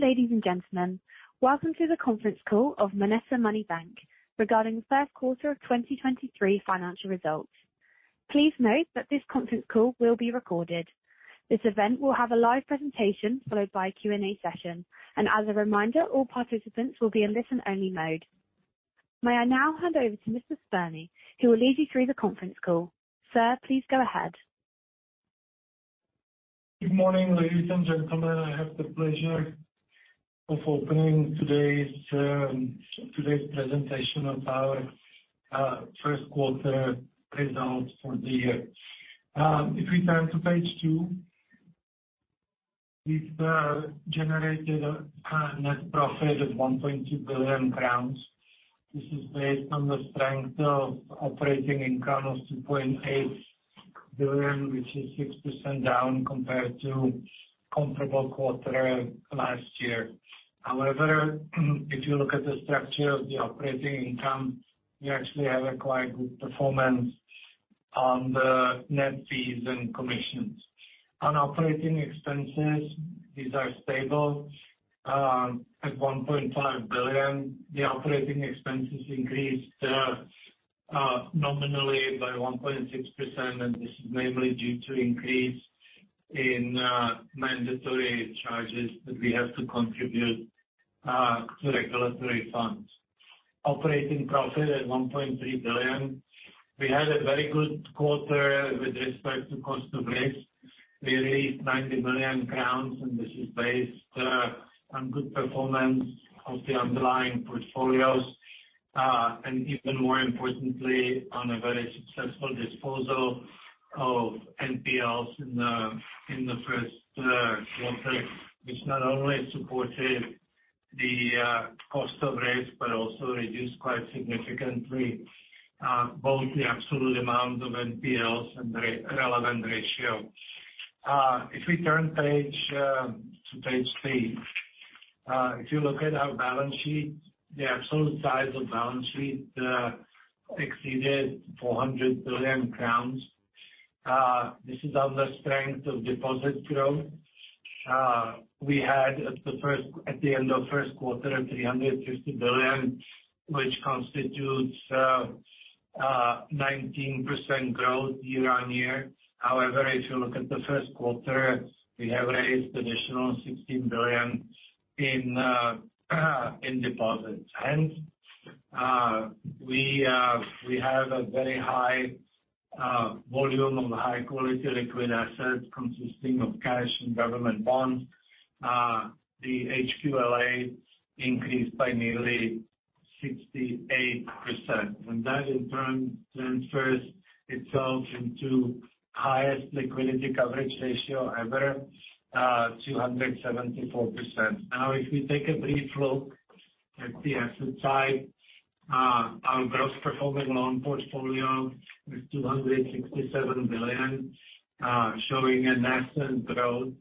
Ladies and gentlemen, welcome to the conference call of MONETA Money Bank regarding the 1st quarter of 2023 financial results. Please note that this conference call will be recorded. This event will have a live presentation followed by Q&A session. As a reminder, all participants will be in listen-only mode. May I now hand over to Mr. Spurny, who will lead you through the conference call. Sir, please go ahead. Good morning, ladies and gentlemen. I have the pleasure of opening today's presentation of our first quarter results for the year. If we turn to page 2, we've generated a net profit of 1.2 billion crowns. This is based on the strength of operating income of 2.8 billion, which is 6% down compared to comparable quarter last year. If you look at the structure of the operating income, you actually have a quite good performance on the net fees and commissions. On operating expenses, these are stable at 1.5 billion. The operating expenses increased nominally by 1.6%, this is mainly due to increase in mandatory charges that we have to contribute to regulatory funds. Operating profit at 1.3 billion. We had a very good quarter with respect to cost of risk. We raised 90 million crowns. This is based on good performance of the underlying portfolios, and even more importantly, on a very successful disposal of NPLs in the first quarter, which not only supported the cost of risk but also reduced quite significantly, both the absolute amount of NPLs and relevant ratio. If we turn page to page three. If you look at our balance sheet, the absolute size of balance sheet exceeded 400 billion crowns. This is on the strength of deposit growth. We had at the end of first quarter, 350 billion, which constitutes 19% growth year-over-year. If you look at the first quarter, we have raised additional 16 billion in deposits. We have a very high volume of high-quality liquid assets consisting of cash and government bonds. The HQLA increased by nearly 68%. That, in turn, transfers itself into highest liquidity coverage ratio ever, 274%. If we take a brief look at the asset side, our gross performing loan portfolio is 267 billion, showing a nascent growth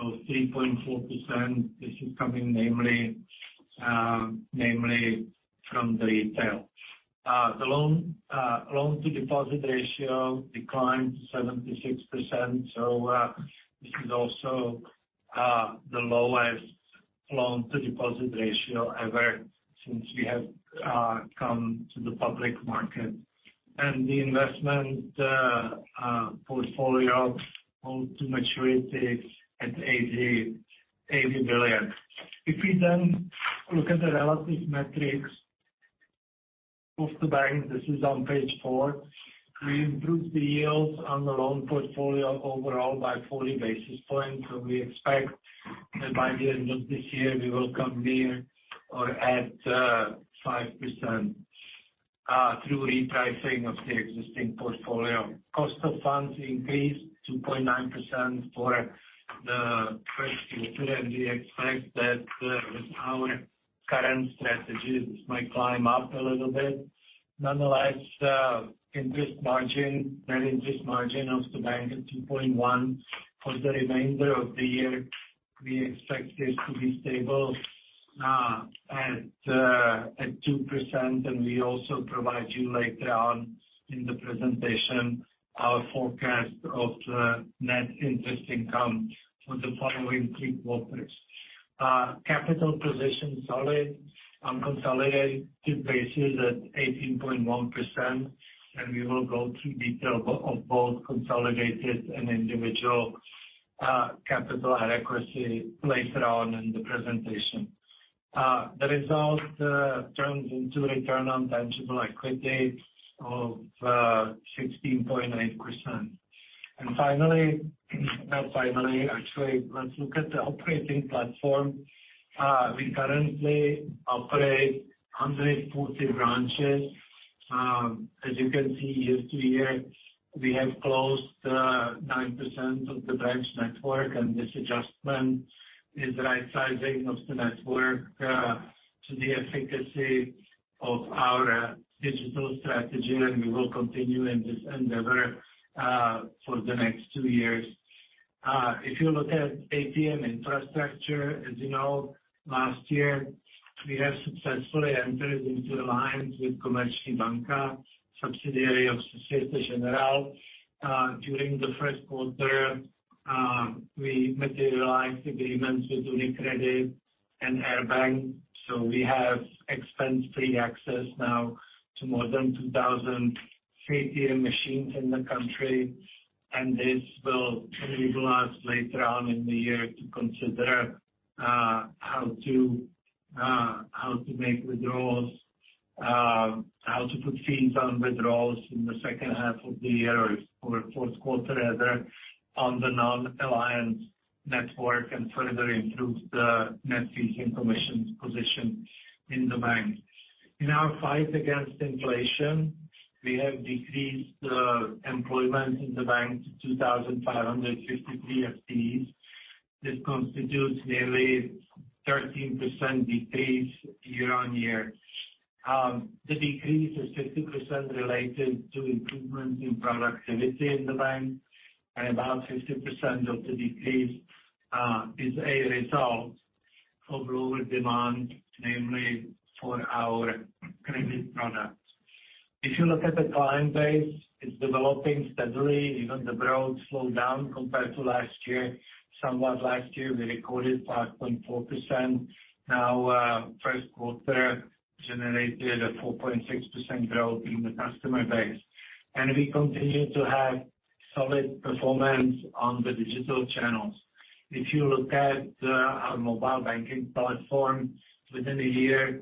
of 3.4%. This is coming namely from the retail. The loan to deposit ratio declined 76%, this is also the lowest loan to deposit ratio ever since we have come to the public market. The investment portfolio hold to maturity at 80 billion. We look at the relative metrics of the bank, this is on page 4. We improved the yields on the loan portfolio overall by 40 basis points, we expect that by the end of this year we will come near or at 5% through repricing of the existing portfolio. Cost of funds increased 2.9% for the first quarter. We expect that with our current strategies, this might climb up a little bit. Nonetheless, net interest margin of the bank is 2.1%. For the remainder of the year, we expect this to be stable at 2%, we also provide you later on in the presentation our forecast of net interest income for the following 3 quarters. Capital position solid on consolidated basis at 18.1%, and we will go through detail of both consolidated and individual capital adequacy later on in the presentation. The result turns into return on tangible equity of 16.8%. Finally, not finally, actually, let's look at the operating platform. We currently operate 140 branches. As you can see year to year, we have closed 9% of the branch network, and this adjustment is rightsizing of the network to the efficacy of our digital strategy, and we will continue in this endeavor for the next two years. If you look at ATM infrastructure, as you know, last year we have successfully entered into alliance with Komerční banka, subsidiary of Société Générale. During the first quarter, we materialized agreements with UniCredit and Air Bank. We have expense-free access now to more than 2,000 ATM machines in the country, and this will enable us later on in the year to consider how to make withdrawals, how to put fees on withdrawals in the 2nd half of the year or 4th quarter rather, on the non-alliance network, and further improve the net fee income commissions position in the bank. In our fight against inflation, we have decreased employment in the bank to 2,553 FTEs. This constitutes nearly 13% decrease year-over-year. The decrease is 50% related to improvements in productivity in the bank, and about 50% of the decrease is a result of lower demand, namely for our credit products. If you look at the client base, it's developing steadily. Even the growth slowed down compared to last year. Somewhat last year, we recorded 5.4%. Now, first quarter generated a 4.6% growth in the customer base. We continue to have solid performance on the digital channels. If you look at our mobile banking platform, within a year,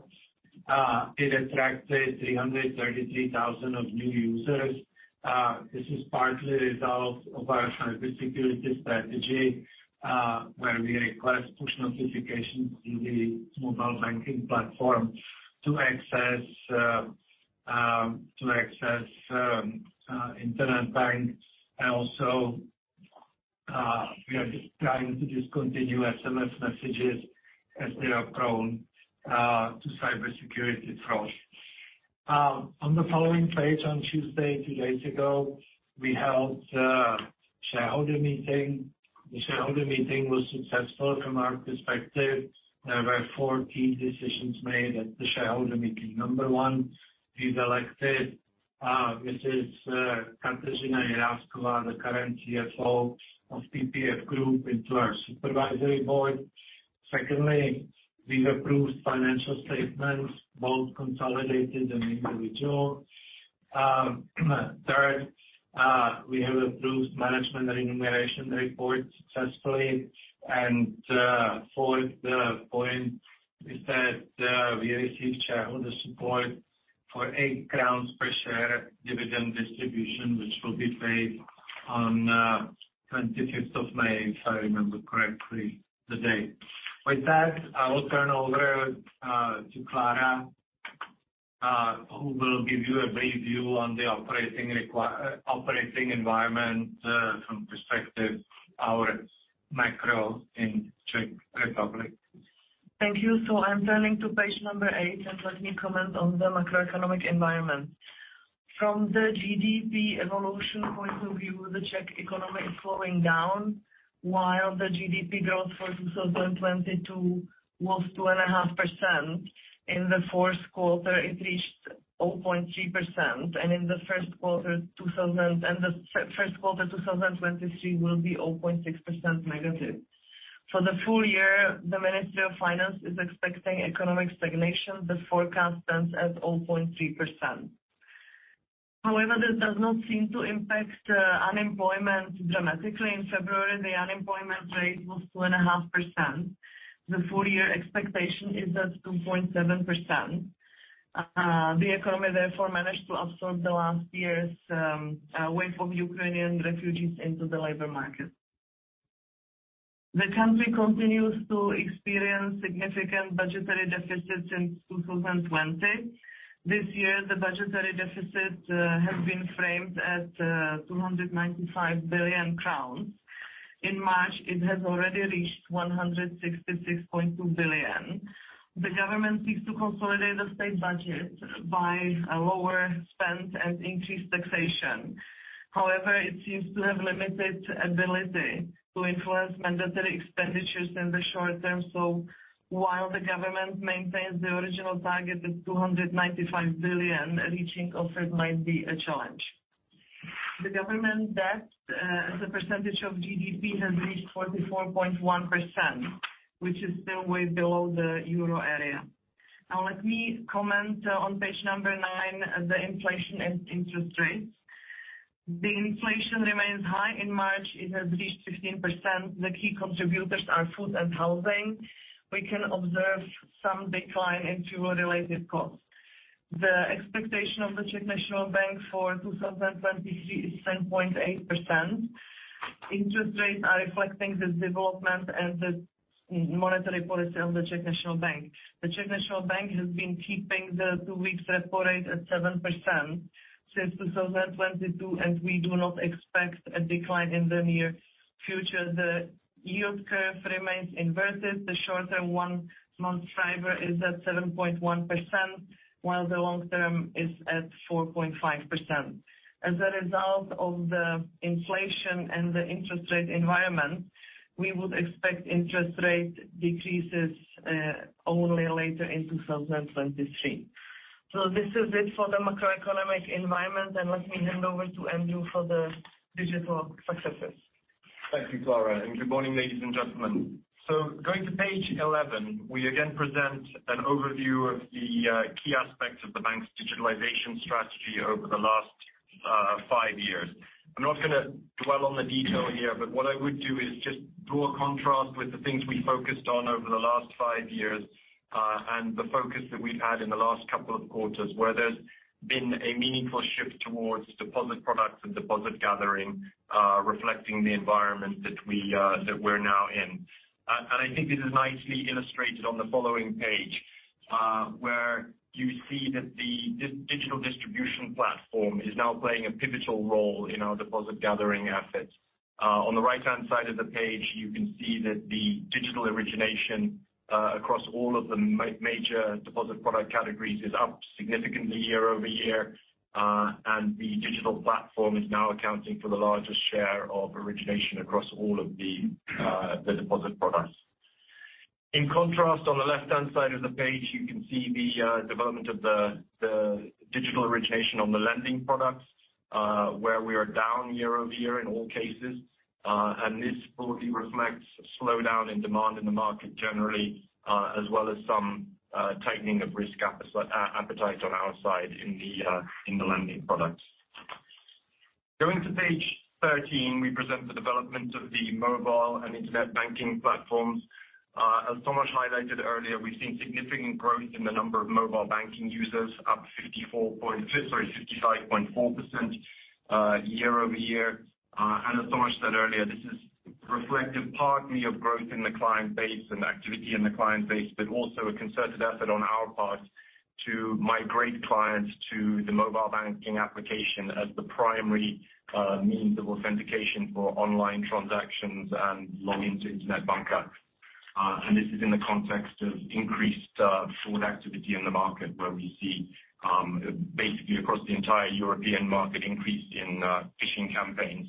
it attracted 333,000 of new users. This is partly a result of our cybersecurity strategy, where we request push notifications in the mobile banking platform to access Internet Banka. Also, we are just trying to discontinue SMS messages as they are prone to cybersecurity fraud. On the following page, on Tuesday, two days ago, we held a shareholder meeting. The shareholder meeting was successful from our perspective. There were four key decisions made at the shareholder meeting. Number one, we've elected Mrs. Kateřina Jirásková, the current CFO of PPF Group, into our supervisory board. Secondly, we've approved financial statements, both consolidated and individual. Third, we have approved management remuneration report successfully. Fourth, point is that we received shareholder support for 8 crowns per share dividend distribution, which will be paid on 25th of May, if I remember correctly, the date. With that, I will turn over to Klára, who will give you a brief view on the operating environment, from perspective our macro in Czech Republic. Thank you. I'm turning to page 8, and let me comment on the macroeconomic environment. From the GDP evolution point of view, the Czech economy is slowing down. While the GDP growth for 2022 was 2.5%, in the fourth quarter it reached 0.3%. In the first quarter 2023 will be 0.6% negative. For the full year, the Ministry of Finance is expecting economic stagnation. The forecast stands at 0.3%. However, this does not seem to impact unemployment dramatically. In February, the unemployment rate was 2.5%. The full year expectation is at 2.7%. The economy therefore managed to absorb the last year's wave of Ukrainian refugees into the labor market. The country continues to experience significant budgetary deficits since 2020. This year, the budgetary deficit has been framed at 295 billion crowns. In March, it has already reached 166.2 billion. The government seeks to consolidate the state budget by a lower spend and increase taxation. It seems to have limited ability to influence mandatory expenditures in the short term. While the government maintains the original target of 295 billion, reaching of it might be a challenge. The government debt as a percentage of GDP has reached 44.1%, which is still way below the Euro area. Let me comment on page 9, the inflation and interest rates. The inflation remains high. In March, it has reached 15%. The key contributors are food and housing. We can observe some decline in fuel-related costs. The expectation of the Czech National Bank for 2023 is 10.8%. Interest rates are reflecting this development and the monetary policy of the Czech National Bank. The Czech National Bank has been keeping the two-week repo rate at 7% since 2022, and we do not expect a decline in the near future. The yield curve remains inverted. The short-term one-month PRIBOR is at 7.1%, while the long-term is at 4.5%. As a result of the inflation and the interest rate environment, we would expect interest rate decreases only later in 2023. This is it for the macroeconomic environment, and let me hand over to Andrew for the digital successes. Thank you, Clara, and good morning, ladies and gentlemen. Going to page 11, we again present an overview of the key aspects of the bank's digitalization strategy over the last 5 years. I'm not gonna dwell on the detail here, but what I would do is just draw a contrast with the things we focused on over the last 5 years, and the focus that we've had in the last couple of quarters, where there's been a meaningful shift towards deposit products and deposit gathering, reflecting the environment that we, that we're now in. I think this is nicely illustrated on the following page, where you see that the digital distribution platform is now playing a pivotal role in our deposit gathering efforts. On the right-hand side of the page, you can see that the digital origination across all of the major deposit product categories is up significantly year-over-year. The digital platform is now accounting for the largest share of origination across all of the deposit products. In contrast, on the left-hand side of the page, you can see the development of the digital origination on the lending products, where we are down year-over-year in all cases. This broadly reflects slowdown in demand in the market generally, as well as some tightening of risk appetite on our side in the lending products. Going to page 13, we present the development of the mobile and internet banking platforms. As Tomas highlighted earlier, we've seen significant growth in the number of mobile banking users, up 55.4% year-over-year. As Tomas said earlier, this is reflective partly of growth in the client base and activity in the client base, but also a concerted effort on our part to migrate clients to the mobile banking application as the primary means of authentication for online transactions and log in to Internet Banka. This is in the context of increased fraud activity in the market, where we see basically across the entire European market, increase in phishing campaigns.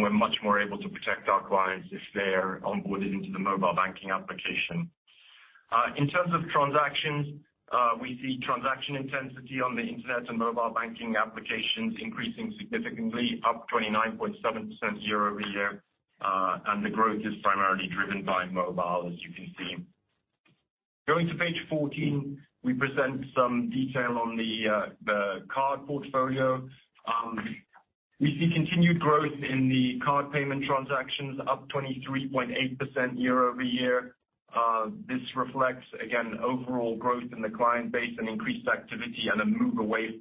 We're much more able to protect our clients if they're onboarded into the mobile banking application. In terms of transactions, we see transaction intensity on the internet and mobile banking applications increasing significantly, up 29.7% year-over-year. The growth is primarily driven by mobile, as you can see. Going to page 14, we present some detail on the card portfolio. We see continued growth in the card payment transactions, up 23.8% year-over-year. This reflects again, overall growth in the client base and increased activity and a move away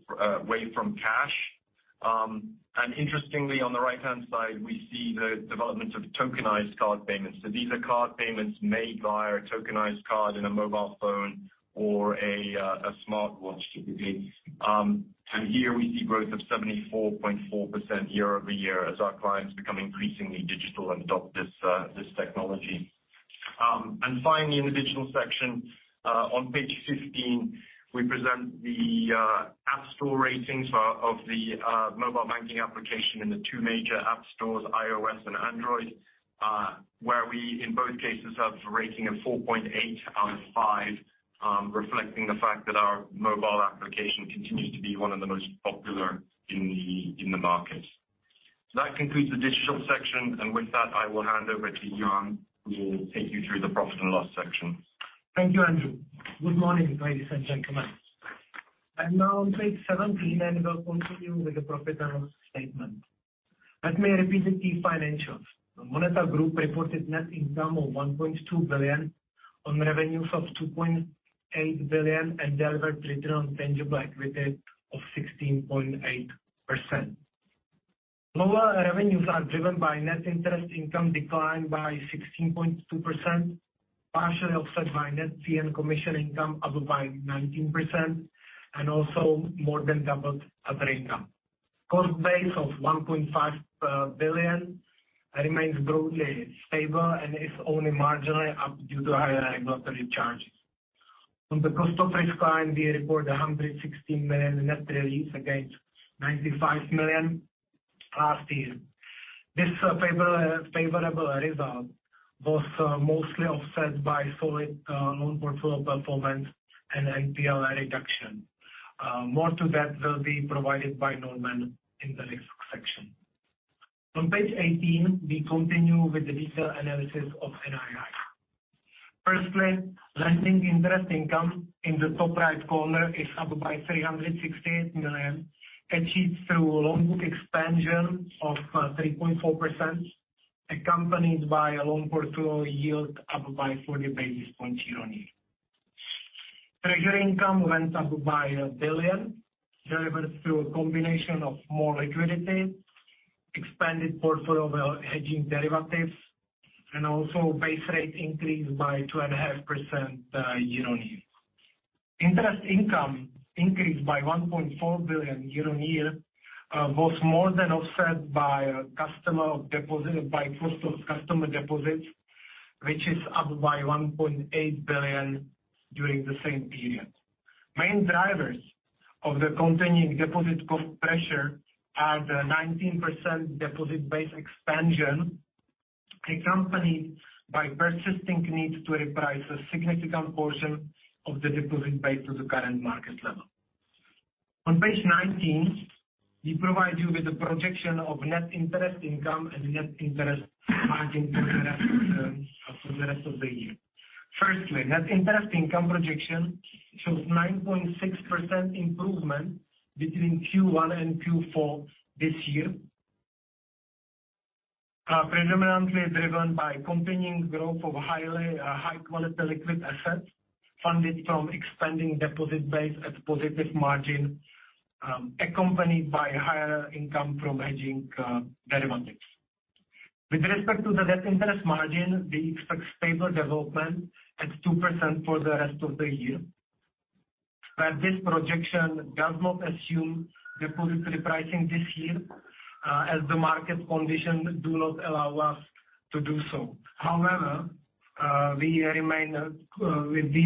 from cash. Interestingly, on the right-hand side, we see the development of tokenized card payments. These are card payments made via a tokenized card in a mobile phone or a smartwatch, typically. Here we see growth of 74.4% year-over-year as our clients become increasingly digital and adopt this technology. Finally, in the digital section, on page 15, we present the app store ratings of the mobile banking application in the two major app stores, iOS and Android. Where we, in both cases, have a rating of 4.8 out of 5, reflecting the fact that our mobile application continues to be one of the most popular in the market. That concludes the digital section, and with that, I will hand over to Jan, who will take you through the profit and loss section. Thank you, Andrew. Good morning, ladies and gentlemen. I'm now on page 17, and we'll continue with the profit and loss statement. Let me repeat the key financials. The MONETA Group reported net income of 1.2 billion on revenues of 2.8 billion and delivered return on tangible equity of 16.8%. Lower revenues are driven by net interest income declined by 16.2%, partially offset by net fee and commission income up by 19% and also more than doubled other income. Cost base of 1.5 billion remains broadly stable and is only marginally up due to higher regulatory charges. On the cost of risk line, we report 116 million net release against 95 million last year. This favorable result was mostly offset by solid loan portfolio performance and NPL reduction. More to that will be provided by Norman in the next section. On page 18, we continue with the detailed analysis of NII. Firstly, lending interest income in the top right corner is up by 368 million, achieved through a loan book expansion of 3.4%, accompanied by a loan portfolio yield up by 40 basis points year-on-year. Treasury income went up by 1 billion, delivered through a combination of more liquidity, expanded portfolio of hedging derivatives, and also base rate increased by 2.5% year-on-year. Interest income increased by 1.4 billion year-on-year was more than offset by cost of customer deposits, which is up by 1.8 billion during the same period. Main drivers of the continuing deposit cost pressure are the 19% deposit base expansion. Accompanied by persisting needs to reprice a significant portion of the deposit base to the current market level. On page 19, we provide you with a projection of net interest income and net interest margin for the rest of the year. Firstly, net interest income projection shows 9.6% improvement between Q1 and Q4 this year. Predominantly driven by continuing growth of highly high-quality liquid assets funded from expanding deposit base at positive margin, accompanied by higher income from hedging derivatives. With respect to the net interest margin, we expect stable development at 2% for the rest of the year. This projection does not assume deposit repricing this year, as the market conditions do not allow us to do so. However, we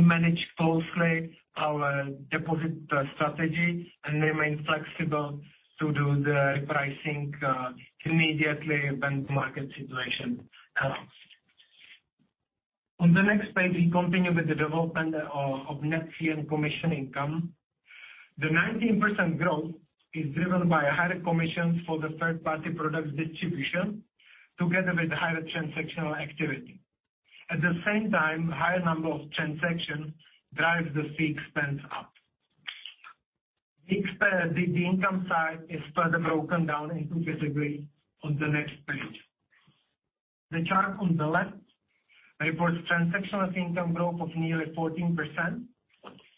manage closely our deposit strategy and remain flexible to do the repricing immediately when market situation allows. On the next page, we continue with the development of net fee and commission income. The 19% growth is driven by higher commissions for the third-party product distribution together with higher transactional activity. At the same time, higher number of transactions drives the fee expense up. The income side is further broken down into categories on the next page. The chart on the left reports transactional income growth of nearly 14%,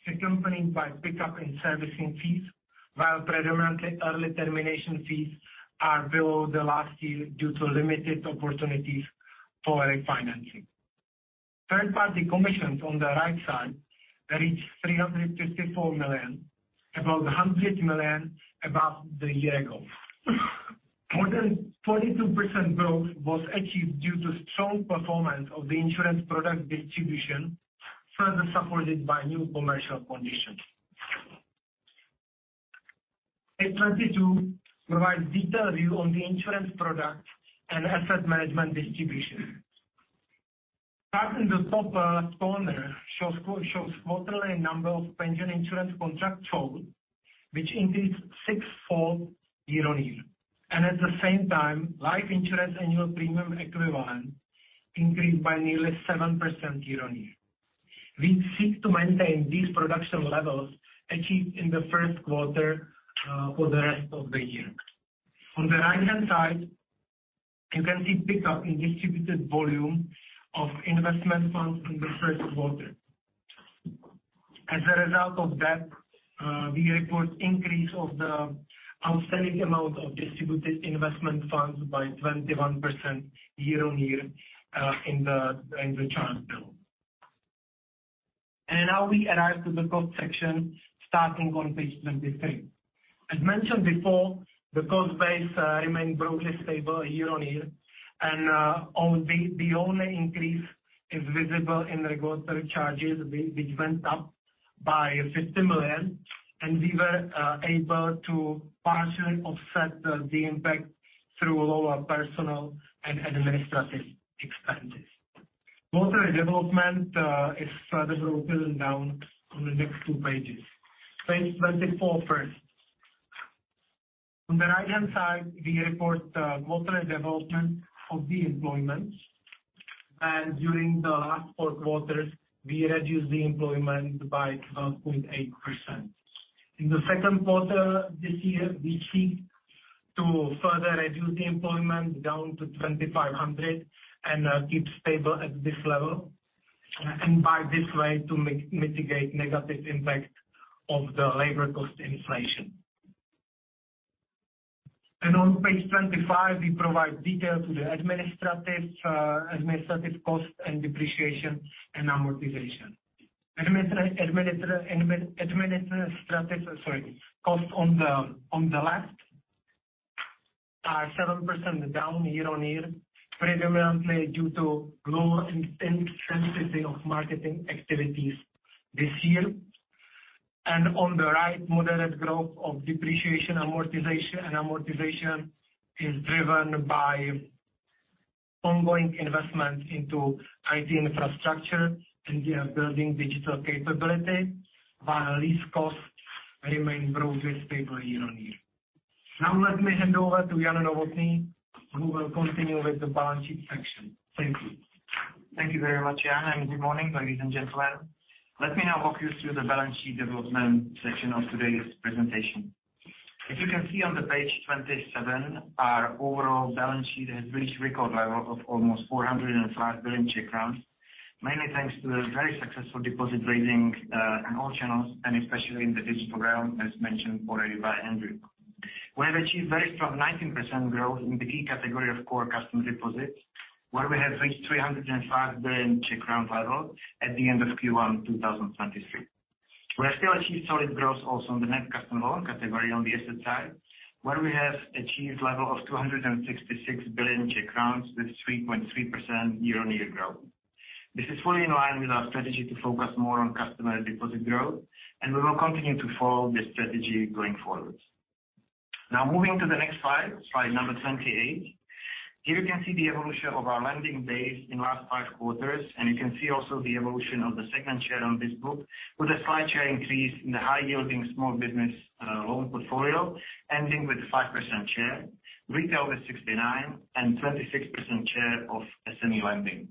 accompanied by pickup in servicing fees, while predominantly early termination fees are below the last year due to limited opportunities for refinancing. Third-party commissions on the right side reached 354 million, about 100 million above the year ago. More than 42% growth was achieved due to strong performance of the insurance product distribution, further supported by new commercial conditions. Page 22 provides detail view on the insurance product and asset management distribution. Chart in the top left corner shows quarterly number of pension insurance contracts sold, which increased 6-fold year-on-year. At the same time, life insurance annual premium equivalent increased by nearly 7% year-on-year. We seek to maintain these production levels achieved in the first quarter for the rest of the year. On the right-hand side, you can see pickup in distributed volume of investment funds in the first quarter. As a result of that, we report increase of the outstanding amount of distributed investment funds by 21% year-on-year in the, in the chart below. Now we arrive to the cost section starting on page 23. As mentioned before, the cost base remained broadly stable year-on-year. The only increase is visible in regulatory charges which went up by 50 million, and we were able to partially offset the impact through lower personal and administrative expenses. Quarterly development is further broken down on the next two pages. Page 24 first. On the right-hand side, we report quarterly development of the employments. During the last 4 quarters, we reduced the employment by 12.8%. In the 2Q this year, we seek to further reduce the employment down to 2,500 and keep stable at this level, and by this way to mitigate negative impact of the labor cost inflation. On page 25, we provide detail to the administrative costs and depreciation and amortization. administrative, sorry, costs on the left are 7% down year-on-year, predominantly due to lower intensity of marketing activities this year. On the right, moderate growth of depreciation and amortization is driven by ongoing investment into IT infrastructure. We are building digital capability, while lease costs remain broadly stable year-on-year. Let me hand over to Jan Novotný, who will continue with the balance sheet section. Thank you. Thank you very much, Jan. Good morning, ladies and gentlemen. Let me now walk you through the balance sheet development section of today's presentation. As you can see on the page 27, our overall balance sheet has reached record level of almost 405 billion, mainly thanks to the very successful deposit raising on all channels, and especially in the digital realm, as mentioned already by Andrew. We have achieved very strong 19% growth in the key category of core customer deposits, where we have reached 305 billion Czech crown level at the end of Q1 2023. We have still achieved solid growth also in the net customer loan category on the asset side, where we have achieved level of 266 billion Czech crowns with 3.3% year-on-year growth. This is fully in line with our strategy to focus more on customer deposit growth, and we will continue to follow this strategy going forward. Moving to the next slide number 28. Here you can see the evolution of our lending base in last five quarters, and you can see also the evolution of the segment share on this book with a slight share increase in the high yielding small business loan portfolio, ending with 5% share, retail with 69, and 26% share of SME lending.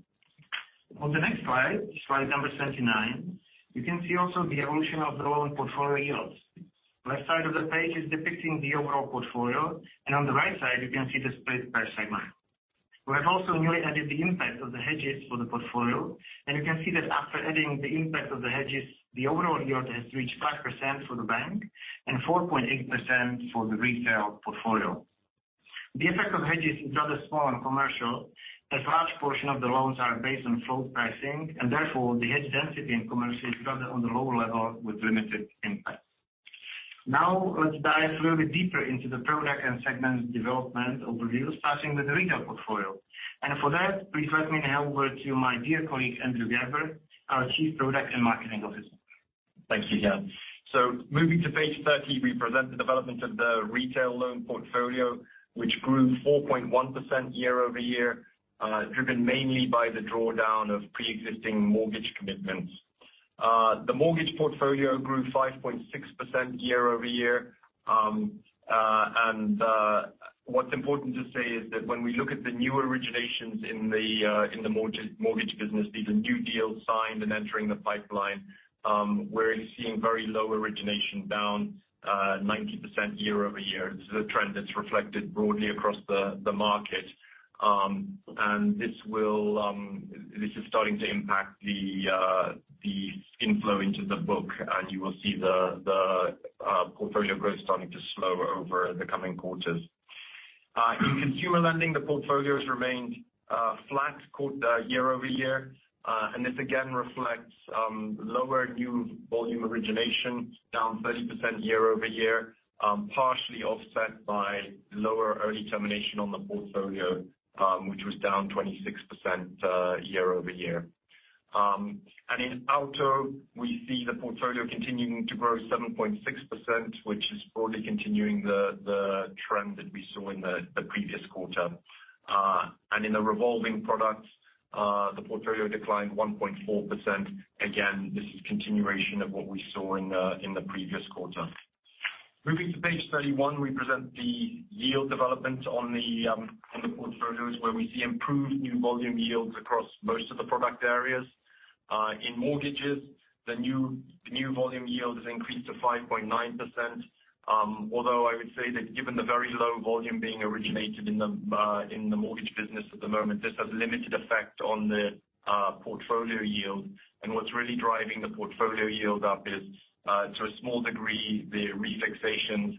On the next slide number 29, you can see also the evolution of the loan portfolio yields. Left side of the page is depicting the overall portfolio, and on the right side, you can see the split per segment. We have also newly added the impact of the hedges for the portfolio, and you can see that after adding the impact of the hedges, the overall yield has reached 5% for the bank and 4.8% for the retail portfolio. The effect of hedges is rather small on commercial, as large portion of the loans are based on float pricing and therefore, the hedge density in commercial is rather on the lower level with limited impact. Let's dive a little bit deeper into the product and segment development overview, starting with the retail portfolio. For that, please let me hand over to my dear colleague, Andrew Gerber, our Chief Product and Marketing Officer. Thank you, Jan. Moving to page 30, we present the development of the retail loan portfolio, which grew 4.1% year-over-year, driven mainly by the drawdown of preexisting mortgage commitments. The mortgage portfolio grew 5.6% year-over-year. What's important to say is that when we look at the new originations in the mortgage business, these are new deals signed and entering the pipeline, we're seeing very low origination, down 90% year-over-year. This is a trend that's reflected broadly across the market. This will, this is starting to impact the skin flow into the book. You will see the portfolio growth starting to slow over the coming quarters. In consumer lending, the portfolio has remained flat year-over-year. This again reflects lower new volume origination, down 30% year-over-year, partially offset by lower early termination on the portfolio, which was down 26% year-over-year. In auto, we see the portfolio continuing to grow 7.6%, which is broadly continuing the trend that we saw in the previous quarter. In the revolving products, the portfolio declined 1.4%. Again, this is continuation of what we saw in the previous quarter. Moving to page 31, we present the yield development on the portfolios, where we see improved new volume yields across most of the product areas. In mortgages, the new volume yield has increased to 5.9%, although I would say that given the very low volume being originated in the mortgage business at the moment, this has limited effect on the portfolio yield. What's really driving the portfolio yield up is to a small degree, the refixations,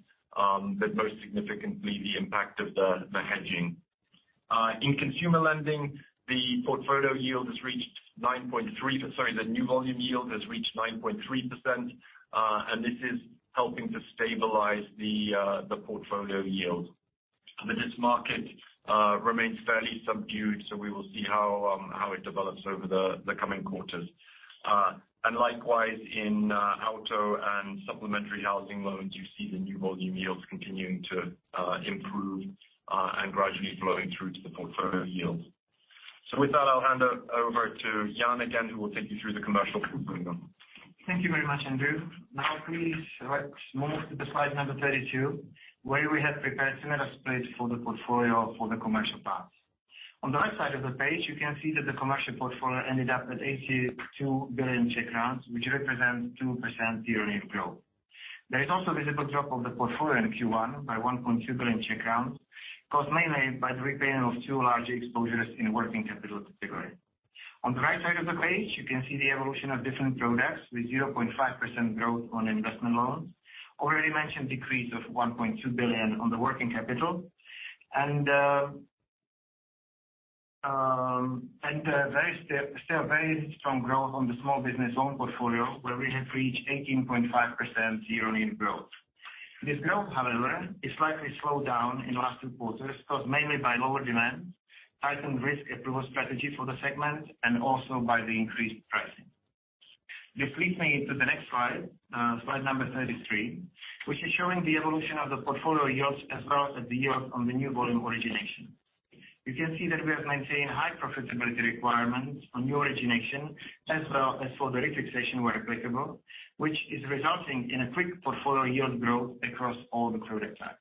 but most significantly, the impact of the hedging. In consumer lending, the portfolio yield has reached 9.3. Sorry, the new volume yield has reached 9.3%, and this is helping to stabilize the portfolio yield. This market remains fairly subdued, so we will see how it develops over the coming quarters. Likewise, in auto and supplementary housing loans, you see the new volume yields continuing to improve and gradually flowing through to the portfolio yields. With that, I'll hand over to Jan again, who will take you through the commercial portfolio. Thank you very much, Andrew. Please let's move to the slide number 32, where we have prepared similar split for the portfolio for the commercial part. On the right side of the page, you can see that the commercial portfolio ended up at 82 billion, which represents 2% year-over-year growth. There is also visible drop of the portfolio in Q1 by 1.2 billion, caused mainly by the repayment of 2 large exposures in working capital category. On the right side of the page, you can see the evolution of different products with 0.5% growth on investment loans. Already mentioned decrease of 1.2 billion on the working capital. Still very strong growth on the small business loan portfolio, where we have reached 18.5% year-over-year growth. This growth, however, is slightly slowed down in last 2 quarters, caused mainly by lower demand, tightened risk approval strategy for the segment, and also by the increased pricing. Just flip me to the next slide number 33, which is showing the evolution of the portfolio yields as well as the yield on the new volume origination. You can see that we have maintained high profitability requirements on new origination as well as for the refixation where applicable, which is resulting in a quick portfolio yield growth across all the product types.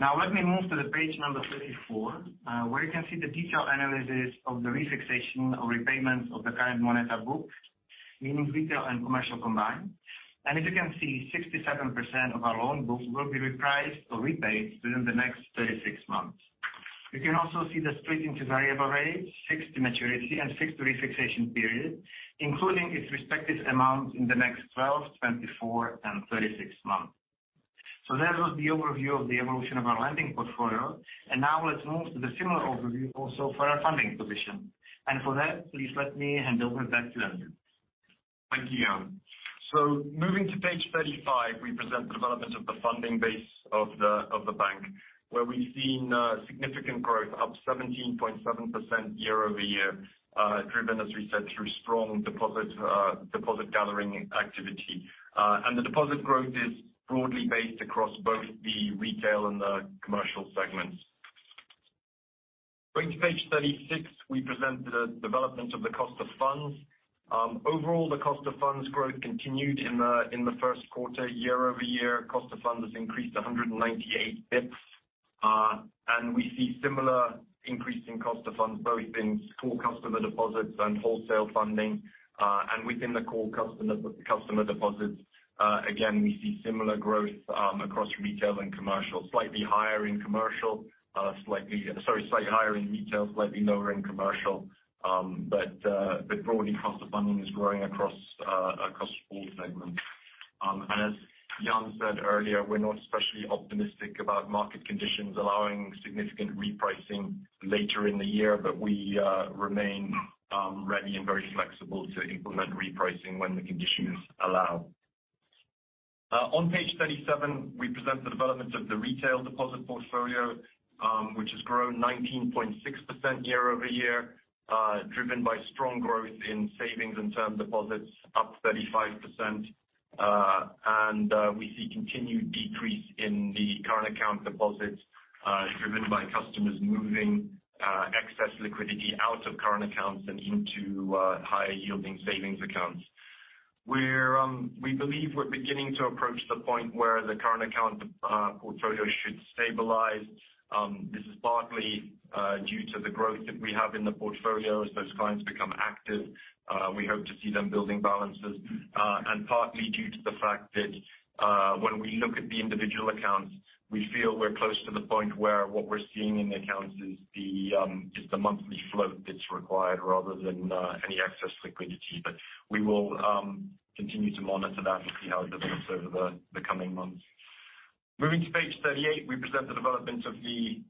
Now let me move to the page number 34, where you can see the detailed analysis of the refixation or repayments of the current MONETA books, meaning retail and commercial combined. As you can see, 67% of our loan book will be repriced or repaid within the next 36 months. You can also see the split into variable rate, fixed maturity, and fixed refixation period, including its respective amount in the next 12, 24, and 36 months. That was the overview of the evolution of our lending portfolio. Now let's move to the similar overview also for our funding position. For that, please let me hand over back to Andrew. Thank you, Jan. Moving to page 35, we present the development of the funding base Where we've seen significant growth up 17.7% year-over-year, driven, as we said, through strong deposit gathering activity. The deposit growth is broadly based across both the retail and the commercial segments. Going to page 36, we present the development of the cost of funds. Overall, the cost of funds growth continued in the first quarter. Year-over-year, cost of funds increased 198 basis points. We see similar increase in cost of funds, both in core customer deposits and wholesale funding. Within the core customer deposits, again, we see similar growth across retail and commercial. Slightly higher in commercial, Sorry, slightly higher in retail, slightly lower in commercial. Broadly, cost of funding is growing across all segments. As Jan said earlier, we're not especially optimistic about market conditions allowing significant repricing later in the year, but we remain ready and very flexible to implement repricing when the conditions allow. On page 37, we present the development of the retail deposit portfolio, which has grown 19.6% year-over-year, driven by strong growth in savings and term deposits up 35%. We see continued decrease in the current account deposits, driven by customers moving excess liquidity out of current accounts and into higher yielding savings accounts. We believe we're beginning to approach the point where the current account portfolio should stabilize. This is partly due to the growth that we have in the portfolio. As those clients become active, we hope to see them building balances. Partly due to the fact that, when we look at the individual accounts, we feel we're close to the point where what we're seeing in the accounts is the just the monthly float that's required rather than any excess liquidity. We will continue to monitor that and see how it develops over the coming months. Moving to page 38, we present the development of the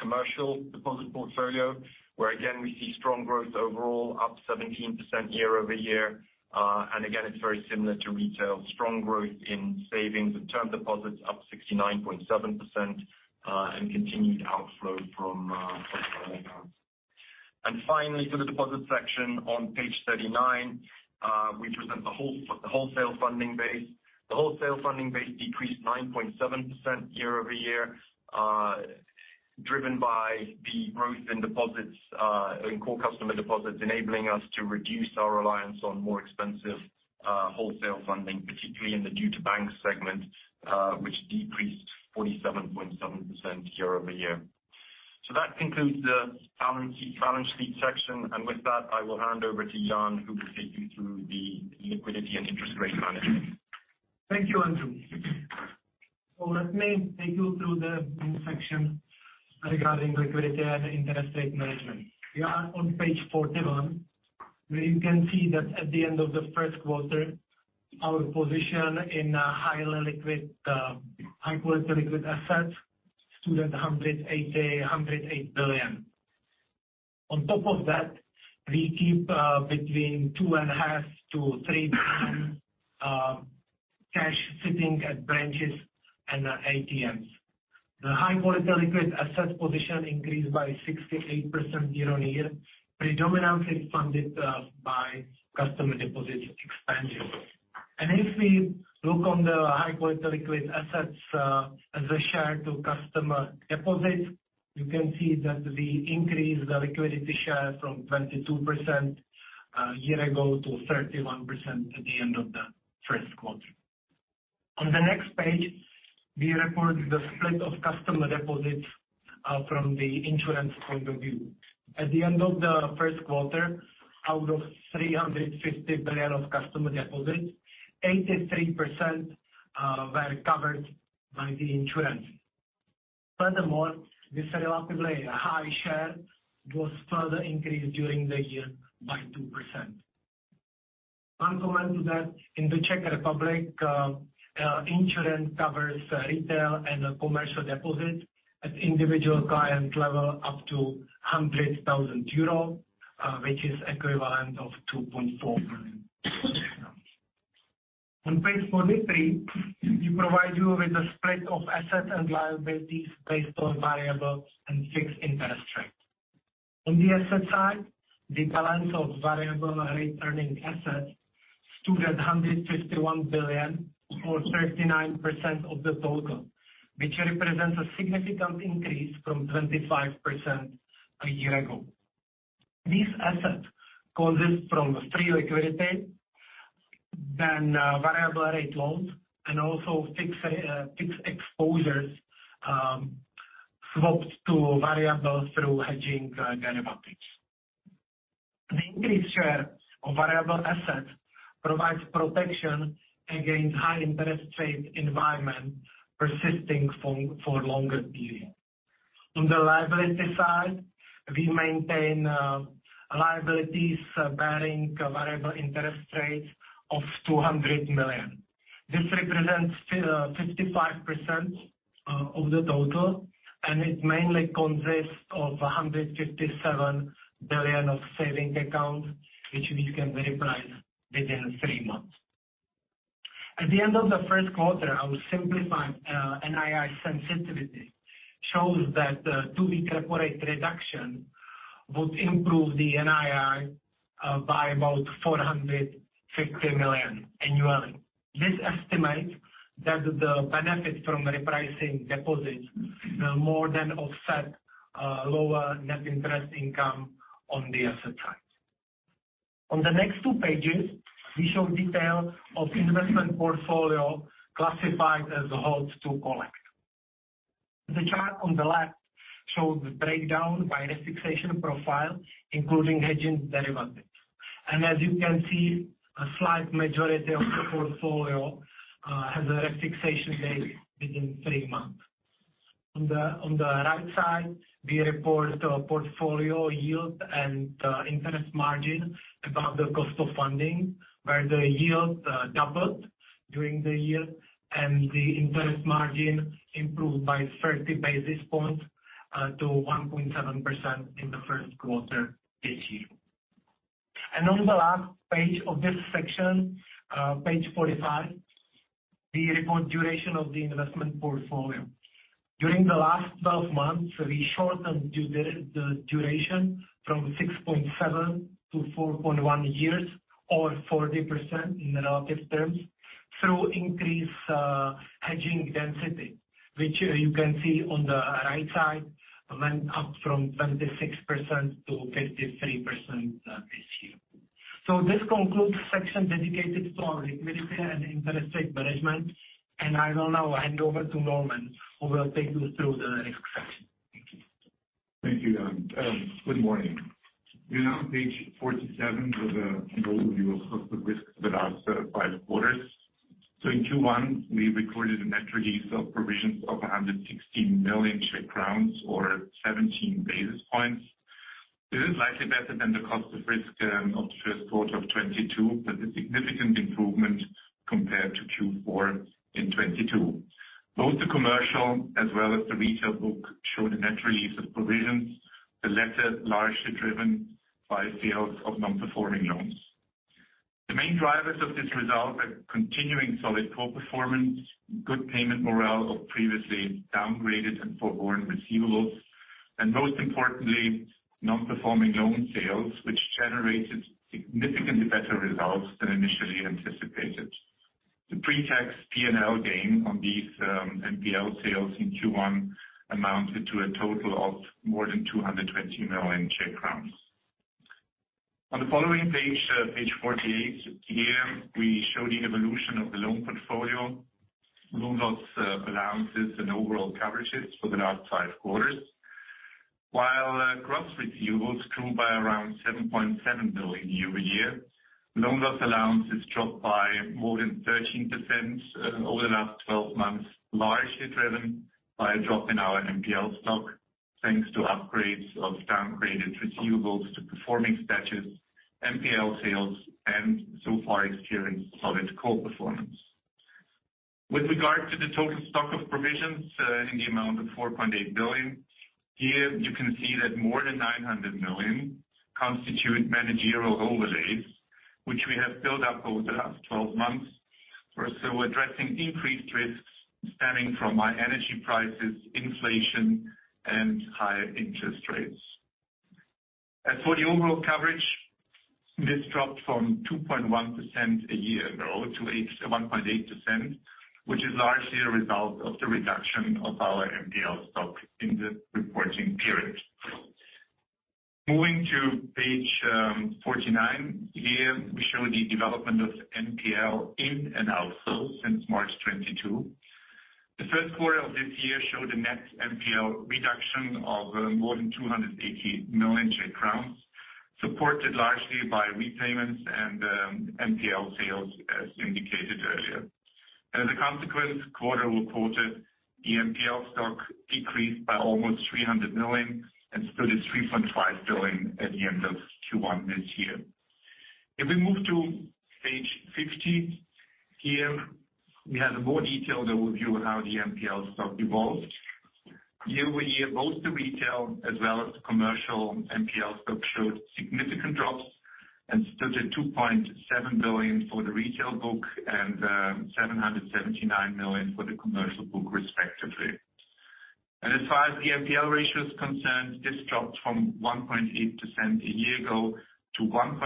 commercial deposit portfolio, where again, we see strong growth overall up 17% year-over-year. Again, it's very similar to retail. Strong growth in savings and term deposits up 69.7%, continued outflow from current accounts. Finally, to the deposit section on page 39, we present the wholesale funding base. The wholesale funding base decreased 9.7% year-over-year, driven by the growth in deposits, in core customer deposits, enabling us to reduce our reliance on more expensive, wholesale funding, particularly in the due to bank segment, which decreased 47.7% year-over-year. That concludes the balance sheet section. With that, I will hand over to Jan Novotný, who will take you through the liquidity and interest rate management. Thank you, Andrew. Let me take you through the section regarding liquidity and interest rate management. We are on page 41, where you can see that at the end of the first quarter, our position in a highly liquid high-quality liquid asset stood at 108 billion. On top of that, we keep between 2.5 billion-3 billion cash sitting at branches and ATMs. The high-quality liquid asset position increased by 68% year-on-year, predominantly funded by customer deposits expansion. If we look on the high-quality liquid assets as a share to customer deposits, you can see that we increased the liquidity share from 22% a year ago to 31% at the end of the first quarter. On the next page, we report the split of customer deposits from the insurance point of view. At the end of the first quarter, out of 350 billion of customer deposits, 83% were covered by the insurance. Furthermore, this relatively high share was further increased during the year by 2%. One comment to that, in the Czech Republic, insurance covers retail and commercial deposits at individual client level up to 100,000 euro, which is equivalent of 2.4 million. On page 43, we provide you with a split of assets and liabilities based on variable and fixed interest rate. On the asset side, the balance of variable rate earning assets stood at 151 billion or 39% of the total, which represents a significant increase from 25% a year ago. These assets consist from free liquidity, then variable rate loans, and also fixed exposures, swapped to variable through hedging derivatives. The increased share of variable assets provides protection against high interest rate environment persisting for longer period. On the liability side, we maintain liabilities bearing variable interest rates of 200 million. This represents 55% of the total, and it mainly consists of 157 billion of saving accounts, which we can reprice within three months. At the end of the first quarter, our simplified NII sensitivity shows that the two-week repo rate reduction would improve the NII by about 450 million annually. This estimate that the benefit from repricing deposits will more than offset lower net interest income on the asset side. On the next 2 pages, we show detail of investment portfolio classified as held to collect. The chart on the left shows the breakdown by the fixation profile, including hedging derivatives. A slight majority of the portfolio has a refixation date within 3 months. On the right side, we report a portfolio yield and interest margin above the cost of funding, where the yield doubled during the year and the interest margin improved by 30 basis points to 1.7% in the 1st quarter this year. On the last page of this section, page 45, we report duration of the investment portfolio. During the last 12 months, we shortened the duration from 6.7 to 4.1 years or 40% in relative terms through increased hedging density, which you can see on the right side went up from 26% to 53% this year. This concludes section dedicated to our liquidity and interest rate management. I will now hand over to Norman, who will take you through the next section. Thank you. Thank you, Jan. Good morning. We're now on page 47 with an overview of the risks for the past five quarters. In Q1, we recorded a net release of provisions of 160 million Czech crowns or 17 basis points. This is likely better than the cost of risk of the first quarter of 2022, but a significant improvement compared to Q4 in 2022. Both the commercial as well as the retail book showed a net release of provisions, the latter largely driven by sales of non-performing loans. The main drivers of this result are continuing solid core performance, good payment morale of previously downgraded and foreborne receivables, and most importantly, non-performing loan sales, which generated significantly better results than initially anticipated. The pre-tax P&L gain on these NPL sales in Q1 amounted to a total of more than 220 million Czech crowns. On the following page 48, here we show the evolution of the loan portfolio, loan loss balances and overall coverages for the past five quarters. Gross receivables grew by around 7.7 billion year-over-year, loan loss allowances dropped by more than 13% over the last 12 months, largely driven by a drop in our NPL stock, thanks to upgrades of downgraded receivables to performing status, NPL sales and so far experienced solid core performance. With regard to the total stock of provisions, in the amount of 4.8 billion, here you can see that more than 900 million constitute managerial overlays, which we have built up over the last 12 months. We're still addressing increased risks stemming from high energy prices, inflation and higher interest rates. As for the overall coverage, this dropped from 2.1% a year ago to 1.8%, which is largely a result of the reduction of our NPL stock in the reporting period. Moving to page 49, here we show the development of NPL in and outflow since March 2022. The first quarter of this year showed a net NPL reduction of more than 280 million Czech crowns, supported largely by repayments and NPL sales as indicated earlier. As a consequence, quarter reported the NPL stock decreased by almost 300 million and stood at 3.5 billion at the end of Q1 this year. If we move to page 50, here we have a more detailed overview of how the NPL stock evolved. Year-over-year, both the retail as well as commercial NPL stock showed significant drops and stood at 2.7 billion for the retail book and 779 million for the commercial book respectively. As far as the NPL ratio is concerned, this dropped from 1.8% a year ago to 1.3%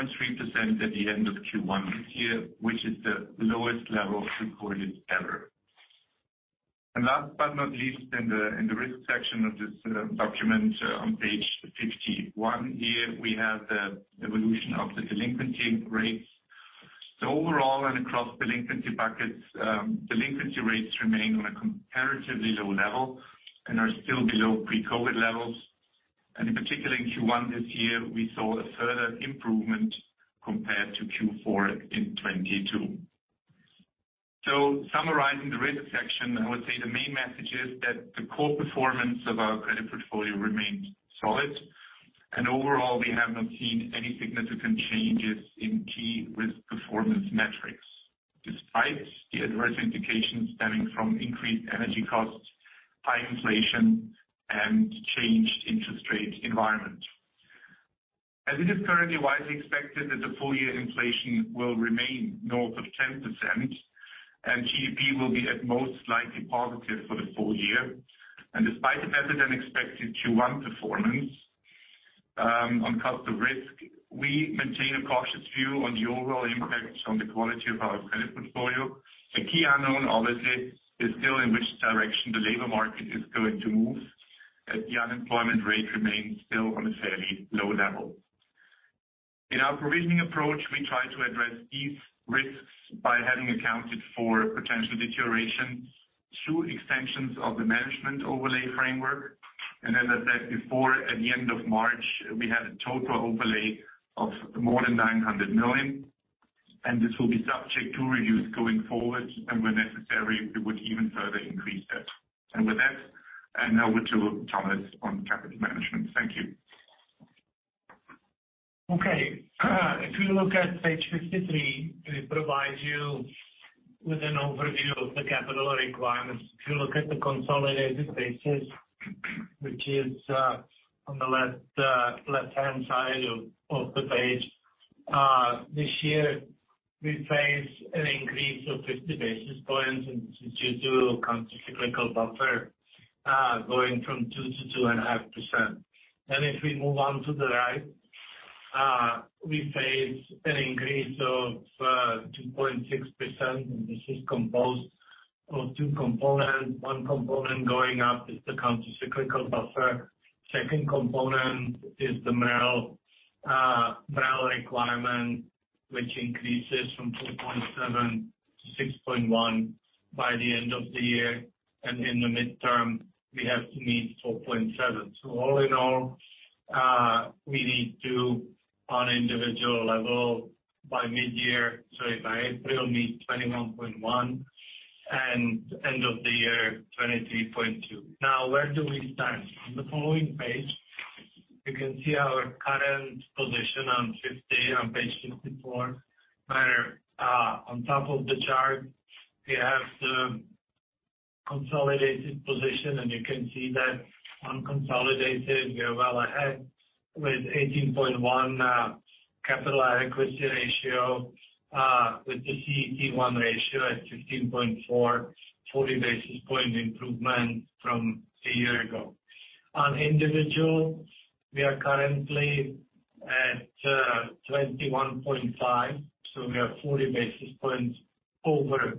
at the end of Q1 this year, which is the lowest level recorded ever. Last but not least, in the, in the risk section of this document on page 51, here we have the evolution of the delinquency rates. Overall and across delinquency buckets, delinquency rates remain on a comparatively low level and are still below pre-COVID levels. In particular, in Q1 this year, we saw a further improvement compared to Q4 in 2022. Summarizing the risk section, I would say the main message is that the core performance of our credit portfolio remains solid. Overall, we have not seen any significant changes in key risk performance metrics, despite the adverse indications stemming from increased energy costs, high inflation, and changed interest rate environment. It is currently widely expected that the full year inflation will remain north of 10%, and GDP will be at most likely positive for the full year. Despite a better than expected Q1 performance, on customer risk, we maintain a cautious view on the overall impact on the quality of our credit portfolio. The key unknown obviously is still in which direction the labor market is going to move, as the unemployment rate remains still on a fairly low level. In our provisioning approach, we try to address these risks by having accounted for potential deterioration through extensions of the management overlay framework. As I said before, at the end of March, we had a total overlay of more than 900 million, and this will be subject to reviews going forward and when necessary, we would even further increase that. With that, and now over to Thomas on capital management. Thank you. Okay. If you look at page 53, it provides you with an overview of the capital requirements. If you look at the consolidated basis, which is on the left-hand side of the page. This year we face an increase of 50 basis points due to countercyclical buffer, going from 2% to 2.5%. If we move on to the right, we face an increase of 2.6%, and this is composed of two components. One component going up is the countercyclical buffer. Second component is the MREL requirement, which increases from 2.7 to 6.1 by the end of the year. In the midterm, we have to meet 4.7. All in all, we need to, on individual level by mid-year, sorry, by April, meet 21.1% and end of the year, 23.2%. Where do we stand? On the following page, you can see our current position on page 54. On top of the chart we have the consolidated position, and you can see that on consolidated we are well ahead with 18.1% capital adequacy ratio, with the CET1 ratio at 16.4%, 40 basis point improvement from a year ago. On individual, we are currently at 21.5%, so we are 40 basis points over